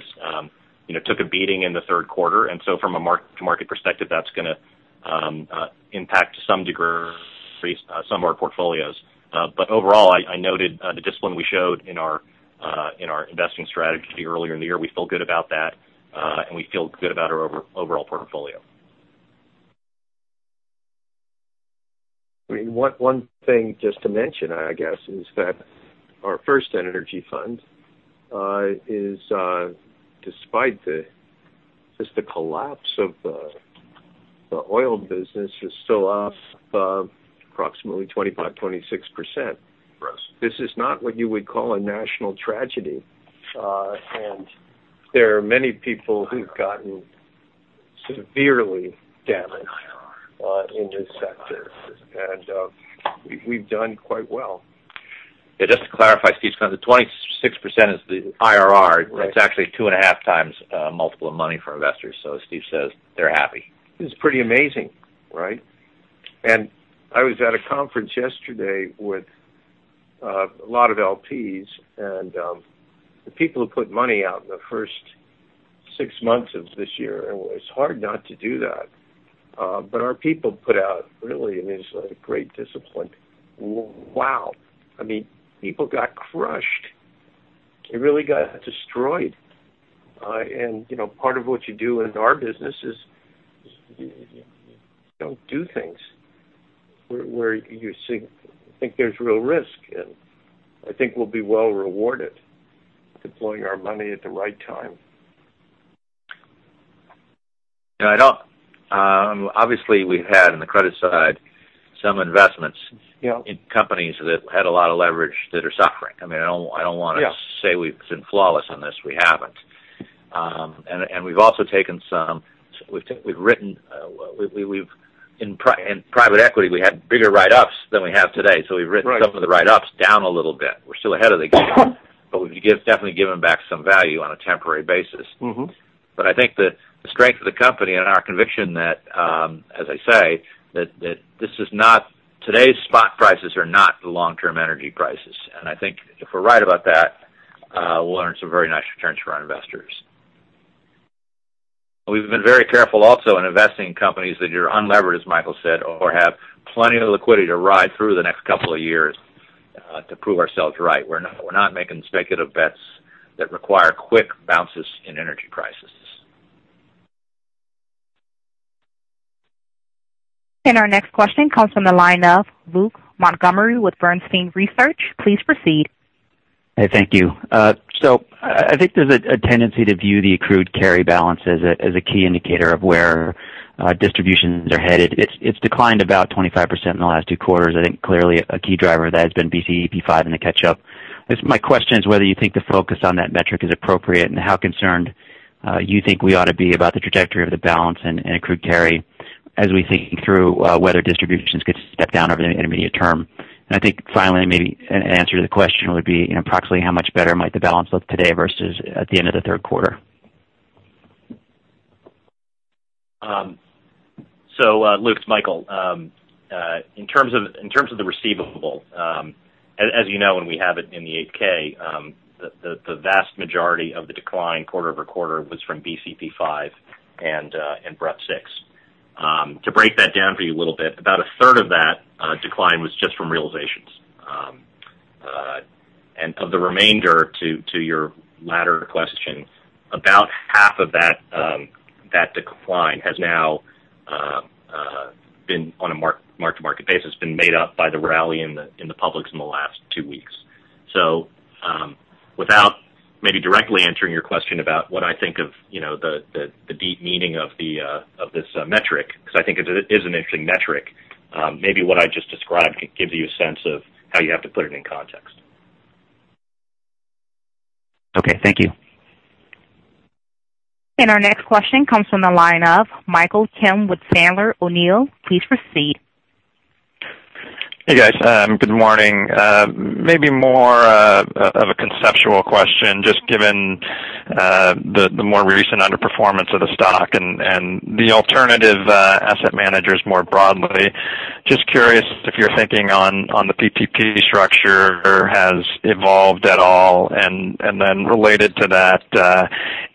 took a beating in the third quarter. From a mark-to-market perspective, that's going to impact to some degree some of our portfolios. Overall, I noted the discipline we showed in our investing strategy earlier in the year. We feel good about that, and we feel good about our overall portfolio. One thing just to mention, I guess, is that our first energy fund is, despite just the collapse of the oil business, is still off of approximately 25%, 26% for us. This is not what you would call a national tragedy. There are many people who've gotten severely damaged in this sector. We've done quite well. Yeah, just to clarify, Steve, because the 26% is the IRR. Right. It's actually two and a half times multiple of money for investors. As Steve says, they're happy. It's pretty amazing, right? I was at a conference yesterday with a lot of LPs, and the people who put money out in the first six months of this year. It's hard not to do that. Our people put out really amazingly great discipline. Wow. I mean, people got crushed. They really got destroyed. Part of what you do in our business is We don't do things where you think there's real risk, and I think we'll be well rewarded deploying our money at the right time. We've had, on the credit side, some investments Yeah in companies that had a lot of leverage that are suffering. I don't want to Yeah say we've been flawless on this. We haven't. In private equity, we had bigger write-ups than we have today. We've written Right some of the write-ups down a little bit. We're still ahead of the game. We've definitely given back some value on a temporary basis. I think the strength of the company and our conviction that, as I say, today's spot prices are not the long-term energy prices. I think if we're right about that, we'll earn some very nice returns for our investors. We've been very careful also in investing in companies that are unlevered, as Michael said, or have plenty of liquidity to ride through the next couple of years to prove ourselves right. We're not making speculative bets that require quick bounces in energy prices. Our next question comes from the line of Luke Montgomery with Bernstein Research. Please proceed. Hey, thank you. I think there's a tendency to view the accrued carry balance as a key indicator of where distributions are headed. It's declined about 25% in the last two quarters. I think clearly a key driver of that has been BCP V and the catch-up. I guess my question is whether you think the focus on that metric is appropriate, and how concerned you think we ought to be about the trajectory of the balance and accrued carry as we think through whether distributions could step down over the intermediate term. I think finally, maybe an answer to the question would be approximately how much better might the balance look today versus at the end of the third quarter? Luke, it's Michael. In terms of the receivable, as you know, when we have it in the 8-K, the vast majority of the decline quarter-over-quarter was from BCP V and BREP VI. To break that down for you a little bit, about a third of that decline was just from realizations. Of the remainder, to your latter question, about half of that decline has now, on a mark-to-market basis, been made up by the rally in the publics in the last two weeks. Without maybe directly answering your question about what I think of the deep meaning of this metric, because I think it is an interesting metric. Maybe what I just described gives you a sense of how you have to put it in context. Okay. Thank you. Our next question comes from the line of Michael Kim with Sandler O'Neill. Please proceed. Hey, guys. Good morning. Maybe more of a conceptual question, just given the more recent underperformance of the stock and the alternative asset managers more broadly. Just curious if your thinking on the PTP structure has evolved at all. Related to that,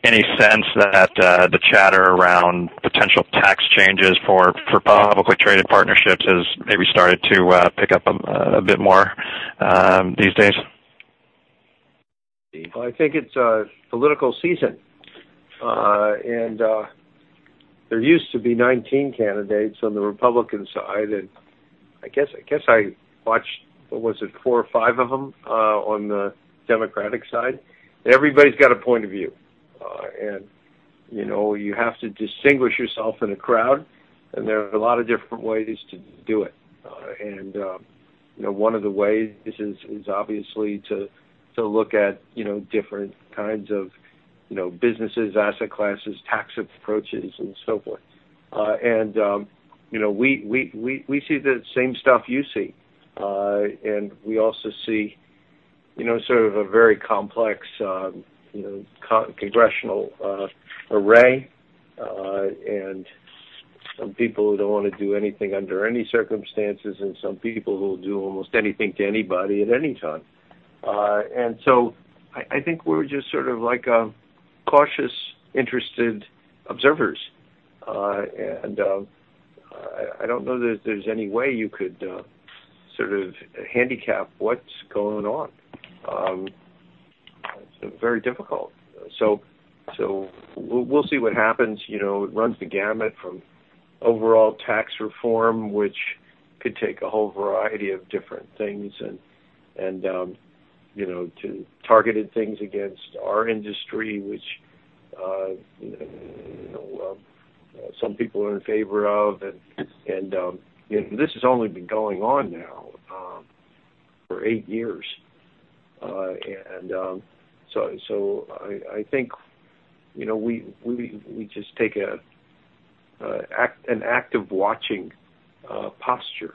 any sense that the chatter around potential tax changes for publicly traded partnerships has maybe started to pick up a bit more these days? Well, I think it's political season. There used to be 19 candidates on the Republican side, and I guess I watched, what was it? Four or five of them on the Democratic side. Everybody's got a point of view. You have to distinguish yourself in a crowd, and there are a lot of different ways to do it. One of the ways is obviously to look at different kinds of businesses, asset classes, tax approaches, and so forth. We see the same stuff you see. We also see sort of a very complex congressional array, and some people who don't want to do anything under any circumstances, and some people who will do almost anything to anybody at any time. So I think we're just sort of cautious, interested observers. I don't know that there's any way you could sort of handicap what's going on. It's very difficult. We'll see what happens. It runs the gamut from overall tax reform, which could take a whole variety of different things, to targeted things against our industry, which some people are in favor of. This has only been going on now for eight years. I think we just take an active watching posture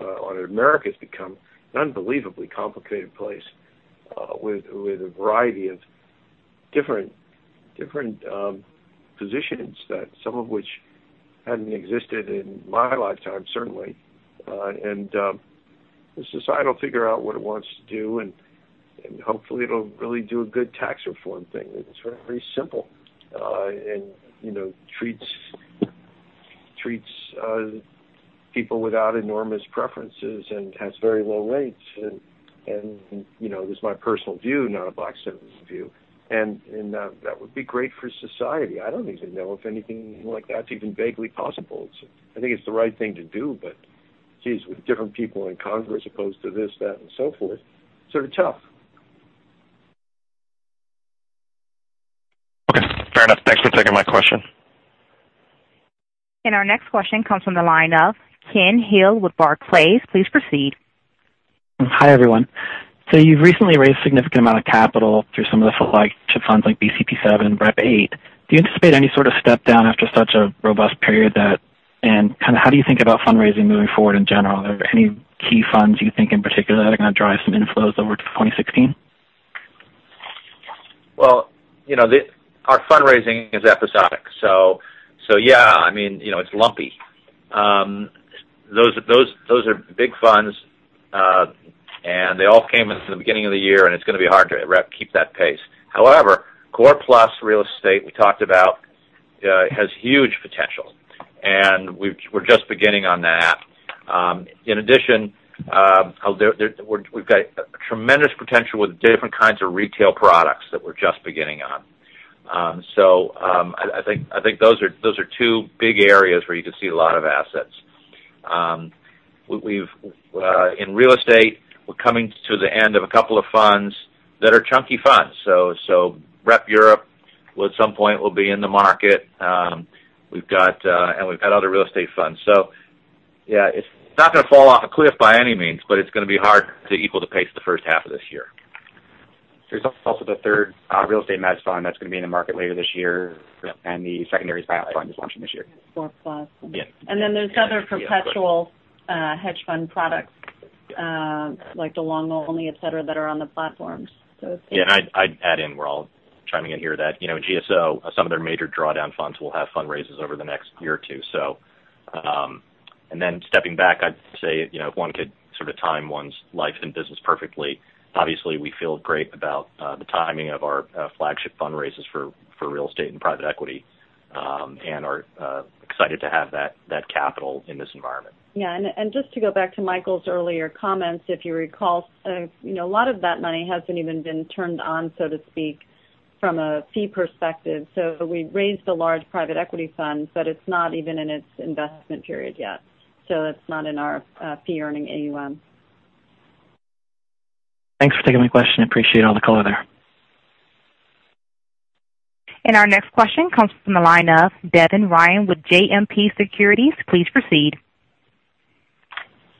on it. America's become an unbelievably complicated place, with a variety of different positions, some of which hadn't existed in my lifetime, certainly. The societal figure out what it wants to do, and hopefully it'll really do a good tax reform thing that's very simple. People without enormous preferences and has very low rates. This is my personal view, not a Blackstone's view. That would be great for society. I don't even know if anything like that's even vaguely possible. I think it's the right thing to do. Geez, with different people in Congress opposed to this, that, and so forth, it's sort of tough. Okay, fair enough. Thanks for taking my question. Our next question comes from the line of Kenneth Hill with Barclays. Please proceed. Hi, everyone. You've recently raised significant amount of capital through some of the flagship funds like BCP VII and BREP VIII. Do you anticipate any sort of step down after such a robust period? How do you think about fundraising moving forward in general? Are there any key funds you think in particular that are going to drive some inflows over to 2016? Our fundraising is episodic. It's lumpy. Those are big funds. They all came in the beginning of the year, and it's going to be hard to keep that pace. However, Core Plus real estate, we talked about, has huge potential, and we're just beginning on that. In addition, we've got tremendous potential with different kinds of retail products that we're just beginning on. I think those are two big areas where you could see a lot of assets. In real estate, we're coming to the end of a couple of funds that are chunky funds. BREP Europe will, at some point, be in the market. We've had other real estate funds. It's not going to fall off a cliff by any means, but it's going to be hard to equal the pace the first half of this year. There's also the third real estate mezz fund that's going to be in the market later this year, and the secondaries buyout fund is launching this year. Core Plus. Yeah. There is other perpetual hedge fund products like the long only, et cetera, that are on the platforms. Yeah. I would add in, we are all chiming in here that GSO, some of their major drawdown funds will have fundraisers over the next year or two. Stepping back, I would say, if one could sort of time one's life and business perfectly, obviously we feel great about the timing of our flagship fundraisers for real estate and private equity, and are excited to have that capital in this environment. Yeah. Just to go back to Michael's earlier comments, if you recall, a lot of that money has not even been turned on, so to speak, from a fee perspective. We have raised a large private equity fund, but it is not even in its investment period yet. It is not in our fee-earning AUM. Thanks for taking my question. I appreciate all the color there. Our next question comes from the line of Devin Ryan with JMP Securities. Please proceed.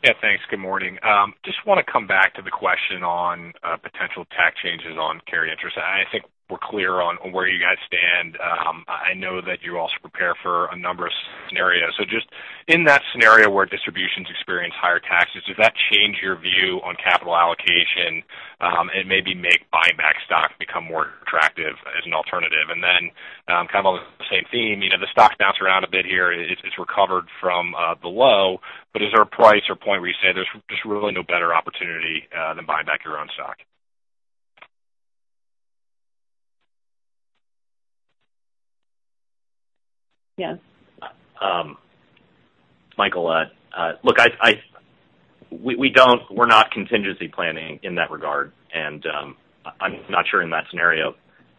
Yeah, thanks. Good morning. Just want to come back to the question on potential tax changes on carry interest. I think we're clear on where you guys stand. I know that you also prepare for a number of scenarios. Just in that scenario where distributions experience higher taxes, does that change your view on capital allocation? Maybe make buying back stock become more attractive as an alternative? Then, kind of on the same theme, the stock bounced around a bit here. It's recovered from the low, is there a price or point where you say there's really no better opportunity than buying back your own stock? Yes. Michael. Look, we're not contingency planning in that regard. I'm not sure in that scenario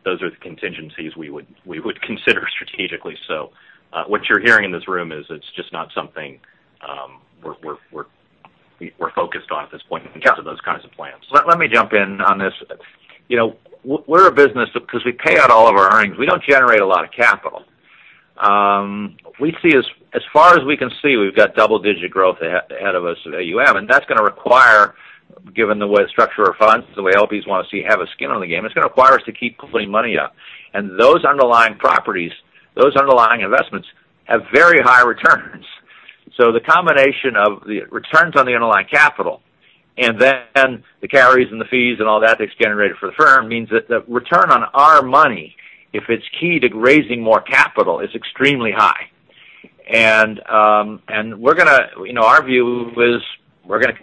those are the contingencies we would consider strategically. What you're hearing in this room is it's just not something we're focused on at this point in terms of those kinds of plans. Let me jump in on this. We're a business because we pay out all of our earnings. We don't generate a lot of capital. As far as we can see, we've got double-digit growth ahead of us at AUM, and that's going to require, given the way the structure of funds, the way LPs want to see have a skin in the game, it's going to require us to keep putting money up. Those underlying properties, those underlying investments, have very high returns. The combination of the returns on the underlying capital and then the carries and the fees and all that gets generated for the firm means that the return on our money, if it's key to raising more capital, is extremely high. Our view is we're going to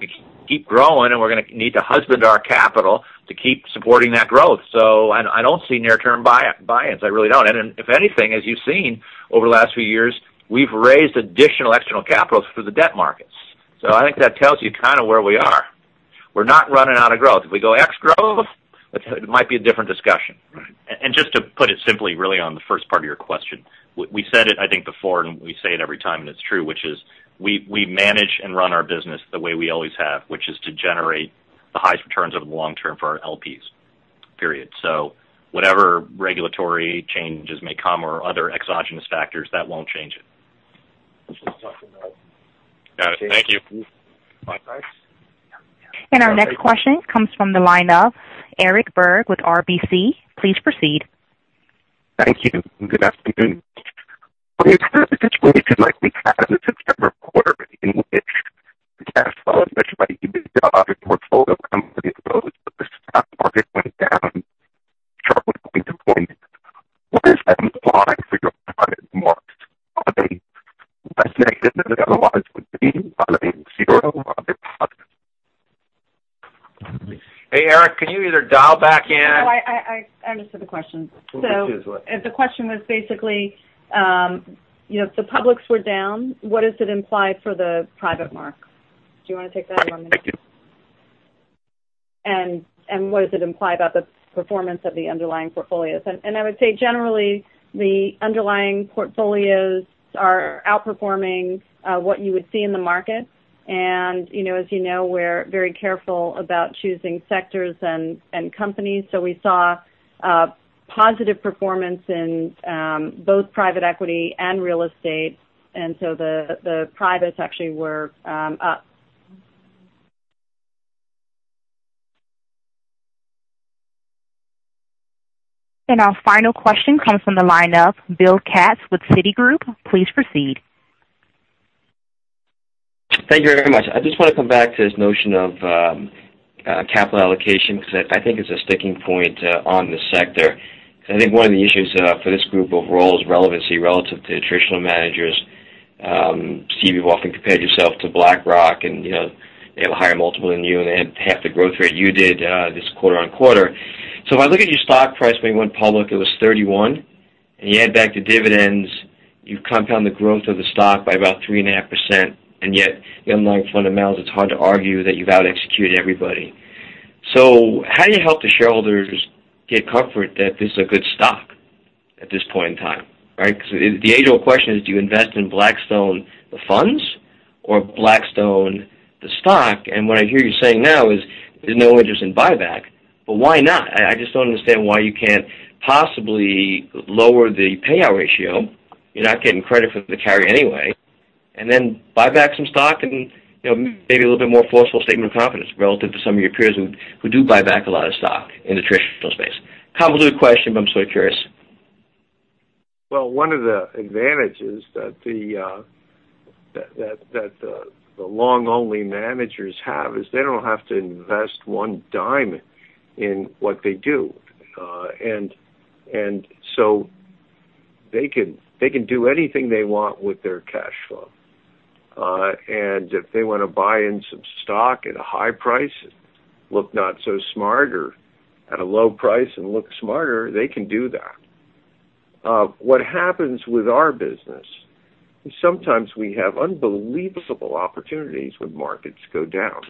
keep growing, and we're going to need to husband our capital to keep supporting that growth. I don't see near-term buy-ins. I really don't. If anything, as you've seen over the last few years, we've raised additional external capital through the debt markets. I think that tells you kind of where we are. We're not running out of growth. If we go ex-growth, it might be a different discussion. Just to put it simply, really on the first part of your question. We said it, I think, before, and we say it every time, and it's true, which is we manage and run our business the way we always have, which is to generate the highest returns over the long term for our LPs, period. Whatever regulatory changes may come or other exogenous factors, that won't change it. Got it. Thank you. Our next question comes from the line of Eric Berg with RBC. Please proceed. Thank you. Good afternoon. When you have a situation like we had in the September quarter in which the cash flow, especially by EBITDA portfolio company growth, the stock market went down sharply point to point. Where does that lie for your private markets? Are they less negative than they otherwise would be, meaning zero? Hey, Eric, can you either dial back in? No, I understood the question. Well, good. The question was basically, if the publics were down, what does it imply for the private market? Do you want to take that or do you want me to? Thank you. What does it imply about the performance of the underlying portfolios? I would say generally, the underlying portfolios are outperforming what you would see in the market. As you know, we're very careful about choosing sectors and companies. We saw positive performance in both private equity and real estate, and so the privates actually were up. Our final question comes from the line of Bill Katz with Citigroup. Please proceed. Thank you very much. I just want to come back to this notion of capital allocation, because I think it's a sticking point on the sector. I think one of the issues for this group overall is relevancy relative to traditional managers. Steve, you've often compared yourself to BlackRock, and they have a higher multiple than you, and they had half the growth rate you did this quarter-on-quarter. If I look at your stock price when you went public, it was 31. You add back the dividends, you compound the growth of the stock by about 3.5%. Yet, the underlying fundamentals, it's hard to argue that you've out executed everybody. How do you help the shareholders get comfort that this is a good stock at this point in time? Right? The age-old question is, do you invest in Blackstone the funds or Blackstone the stock? What I hear you saying now is there's no interest in buyback. Why not? I just don't understand why you can't possibly lower the payout ratio. You're not getting credit for the carry anyway, and then buy back some stock and maybe a little bit more forceful statement of confidence relative to some of your peers who do buy back a lot of stock in the traditional space. Convoluted question, but I'm sort of curious. Well, one of the advantages that the long-only managers have is they don't have to invest one dime in what they do. They can do anything they want with their cash flow. If they want to buy in some stock at a high price, look not so smart or at a low price and look smarter, they can do that. What happens with our business is sometimes we have unbelievable opportunities when markets go down.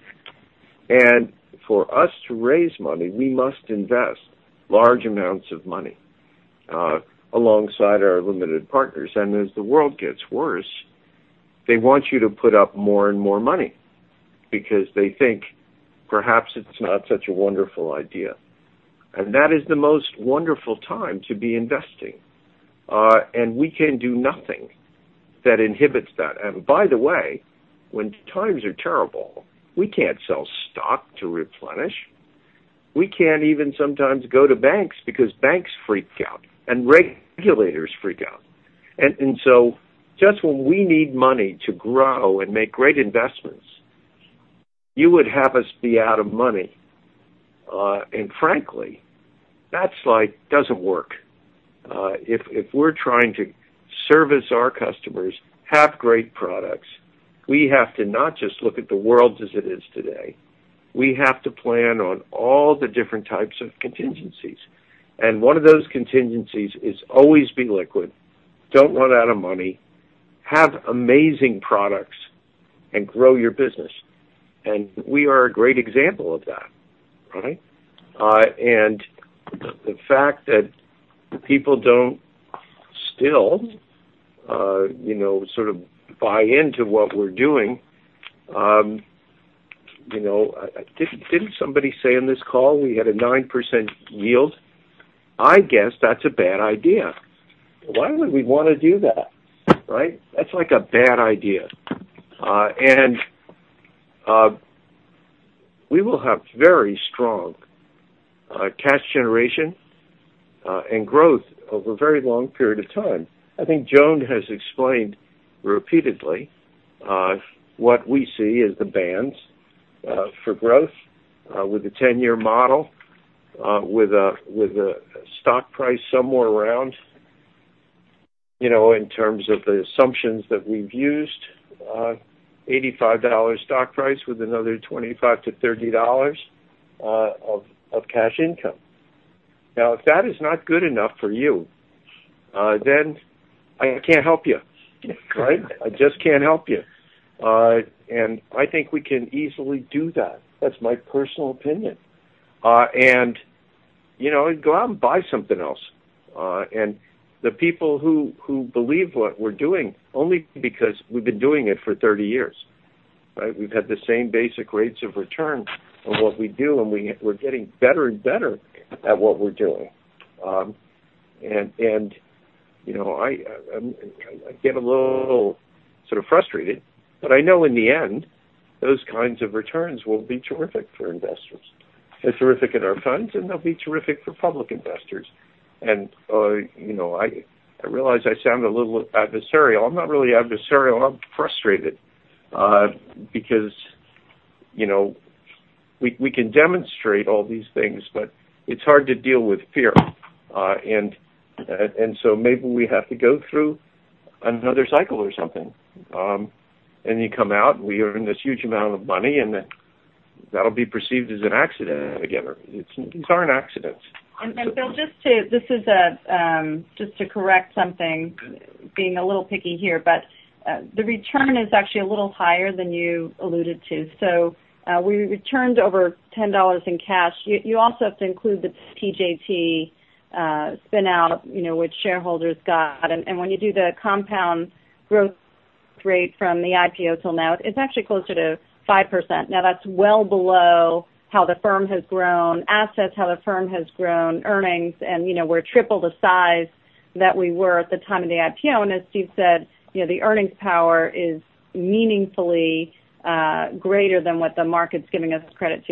For us to raise money, we must invest large amounts of money alongside our limited partners. As the world gets worse, they want you to put up more and more money because they think perhaps it's not such a wonderful idea. That is the most wonderful time to be investing. We can do nothing that inhibits that. By the way, when times are terrible, we can't sell stock to replenish. We can't even sometimes go to banks because banks freak out and regulators freak out. Just when we need money to grow and make great investments, you would have us be out of money. Frankly, that slide doesn't work. If we're trying to service our customers, have great products, we have to not just look at the world as it is today. We have to plan on all the different types of contingencies. One of those contingencies is always be liquid, don't run out of money, have amazing products, and grow your business. We are a great example of that, right? The fact that people don't still sort of buy into what we're doing. Didn't somebody say in this call we had a 9% yield? I guess that's a bad idea. Why would we want to do that, right? That's like a bad idea. We will have very strong cash generation and growth over a very long period of time. I think Joan has explained repeatedly what we see as the bands for growth with a 10-year model, with a stock price somewhere around, in terms of the assumptions that we've used, $85 stock price with another $25 to $30 of cash income. If that is not good enough for you, then I can't help you, right? I just can't help you. I think we can easily do that. That's my personal opinion. Go out and buy something else. The people who believe what we're doing, only because we've been doing it for 30 years, right? We've had the same basic rates of return on what we do, we're getting better and better at what we're doing. I get a little sort of frustrated, but I know in the end, those kinds of returns will be terrific for investors. They're terrific in our funds, they'll be terrific for public investors. I realize I sound a little adversarial. I'm not really adversarial. I'm frustrated. We can demonstrate all these things, but it's hard to deal with fear. Maybe we have to go through another cycle or something. You come out and we earn this huge amount of money, and that'll be perceived as an accident again. These aren't accidents. Bill, this is just to correct something, being a little picky here, but the return is actually a little higher than you alluded to. We returned over $10 in cash. You also have to include the PJT spin-out, which shareholders got. When you do the compound growth rate from the IPO till now, it's actually closer to 5%. That's well below how the firm has grown assets, how the firm has grown earnings, and we're triple the size that we were at the time of the IPO. As Steve said, the earnings power is meaningfully greater than what the market's giving us credit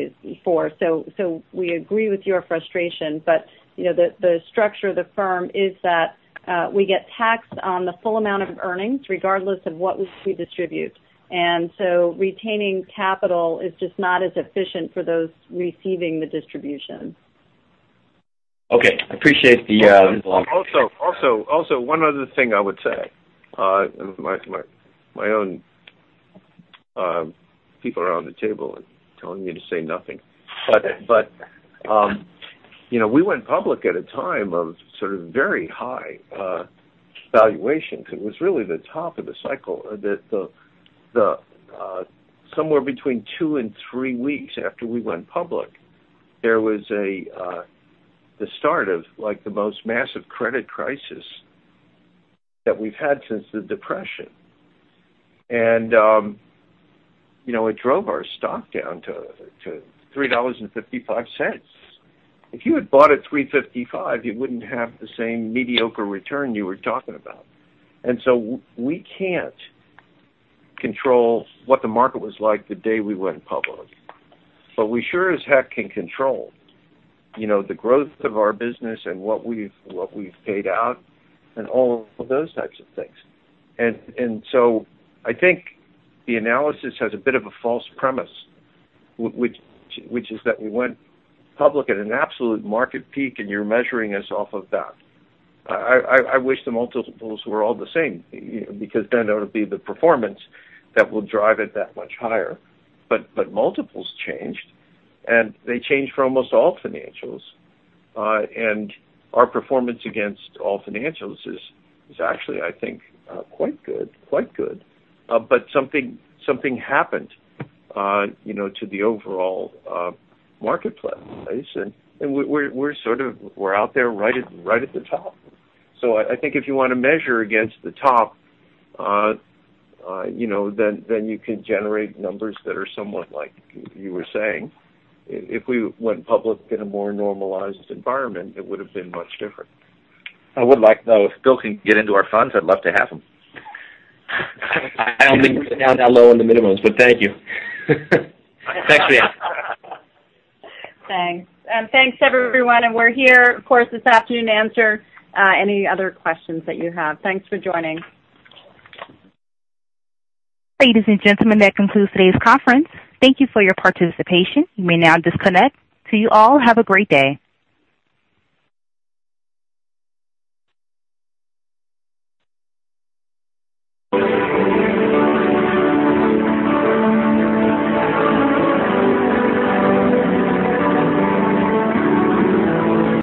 for. We agree with your frustration, but the structure of the firm is that we get taxed on the full amount of earnings, regardless of what we distribute. Retaining capital is just not as efficient for those receiving the distribution. Okay. I appreciate. One other thing I would say, my own people around the table are telling me to say nothing. We went public at a time of sort of very high valuations. It was really the top of the cycle. Somewhere between two and three weeks after we went public, there was the start of the most massive credit crisis that we've had since the Depression. It drove our stock down to $3.55. If you had bought at $3.55, you wouldn't have the same mediocre return you were talking about. We can't control what the market was like the day we went public. We sure as heck can control the growth of our business and what we've paid out and all of those types of things. I think the analysis has a bit of a false premise, which is that we went public at an absolute market peak, and you're measuring us off of that. I wish the multiples were all the same, because then that would be the performance that will drive it that much higher. Multiples changed, and they changed for almost all financials. Our performance against all financials is actually, I think, quite good. Something happened to the overall marketplace, and we're out there right at the top. I think if you want to measure against the top, then you can generate numbers that are somewhat like you were saying. If we went public in a more normalized environment, it would've been much different. I would like, though, if Bill can get into our funds, I'd love to have him. I don't think we're down that low in the minimums, but thank you. Thanks. Thanks. Thanks, everyone. We're here, of course, this afternoon to answer any other questions that you have. Thanks for joining. Ladies and gentlemen, that concludes today's conference. Thank you for your participation. You may now disconnect. To you all, have a great day.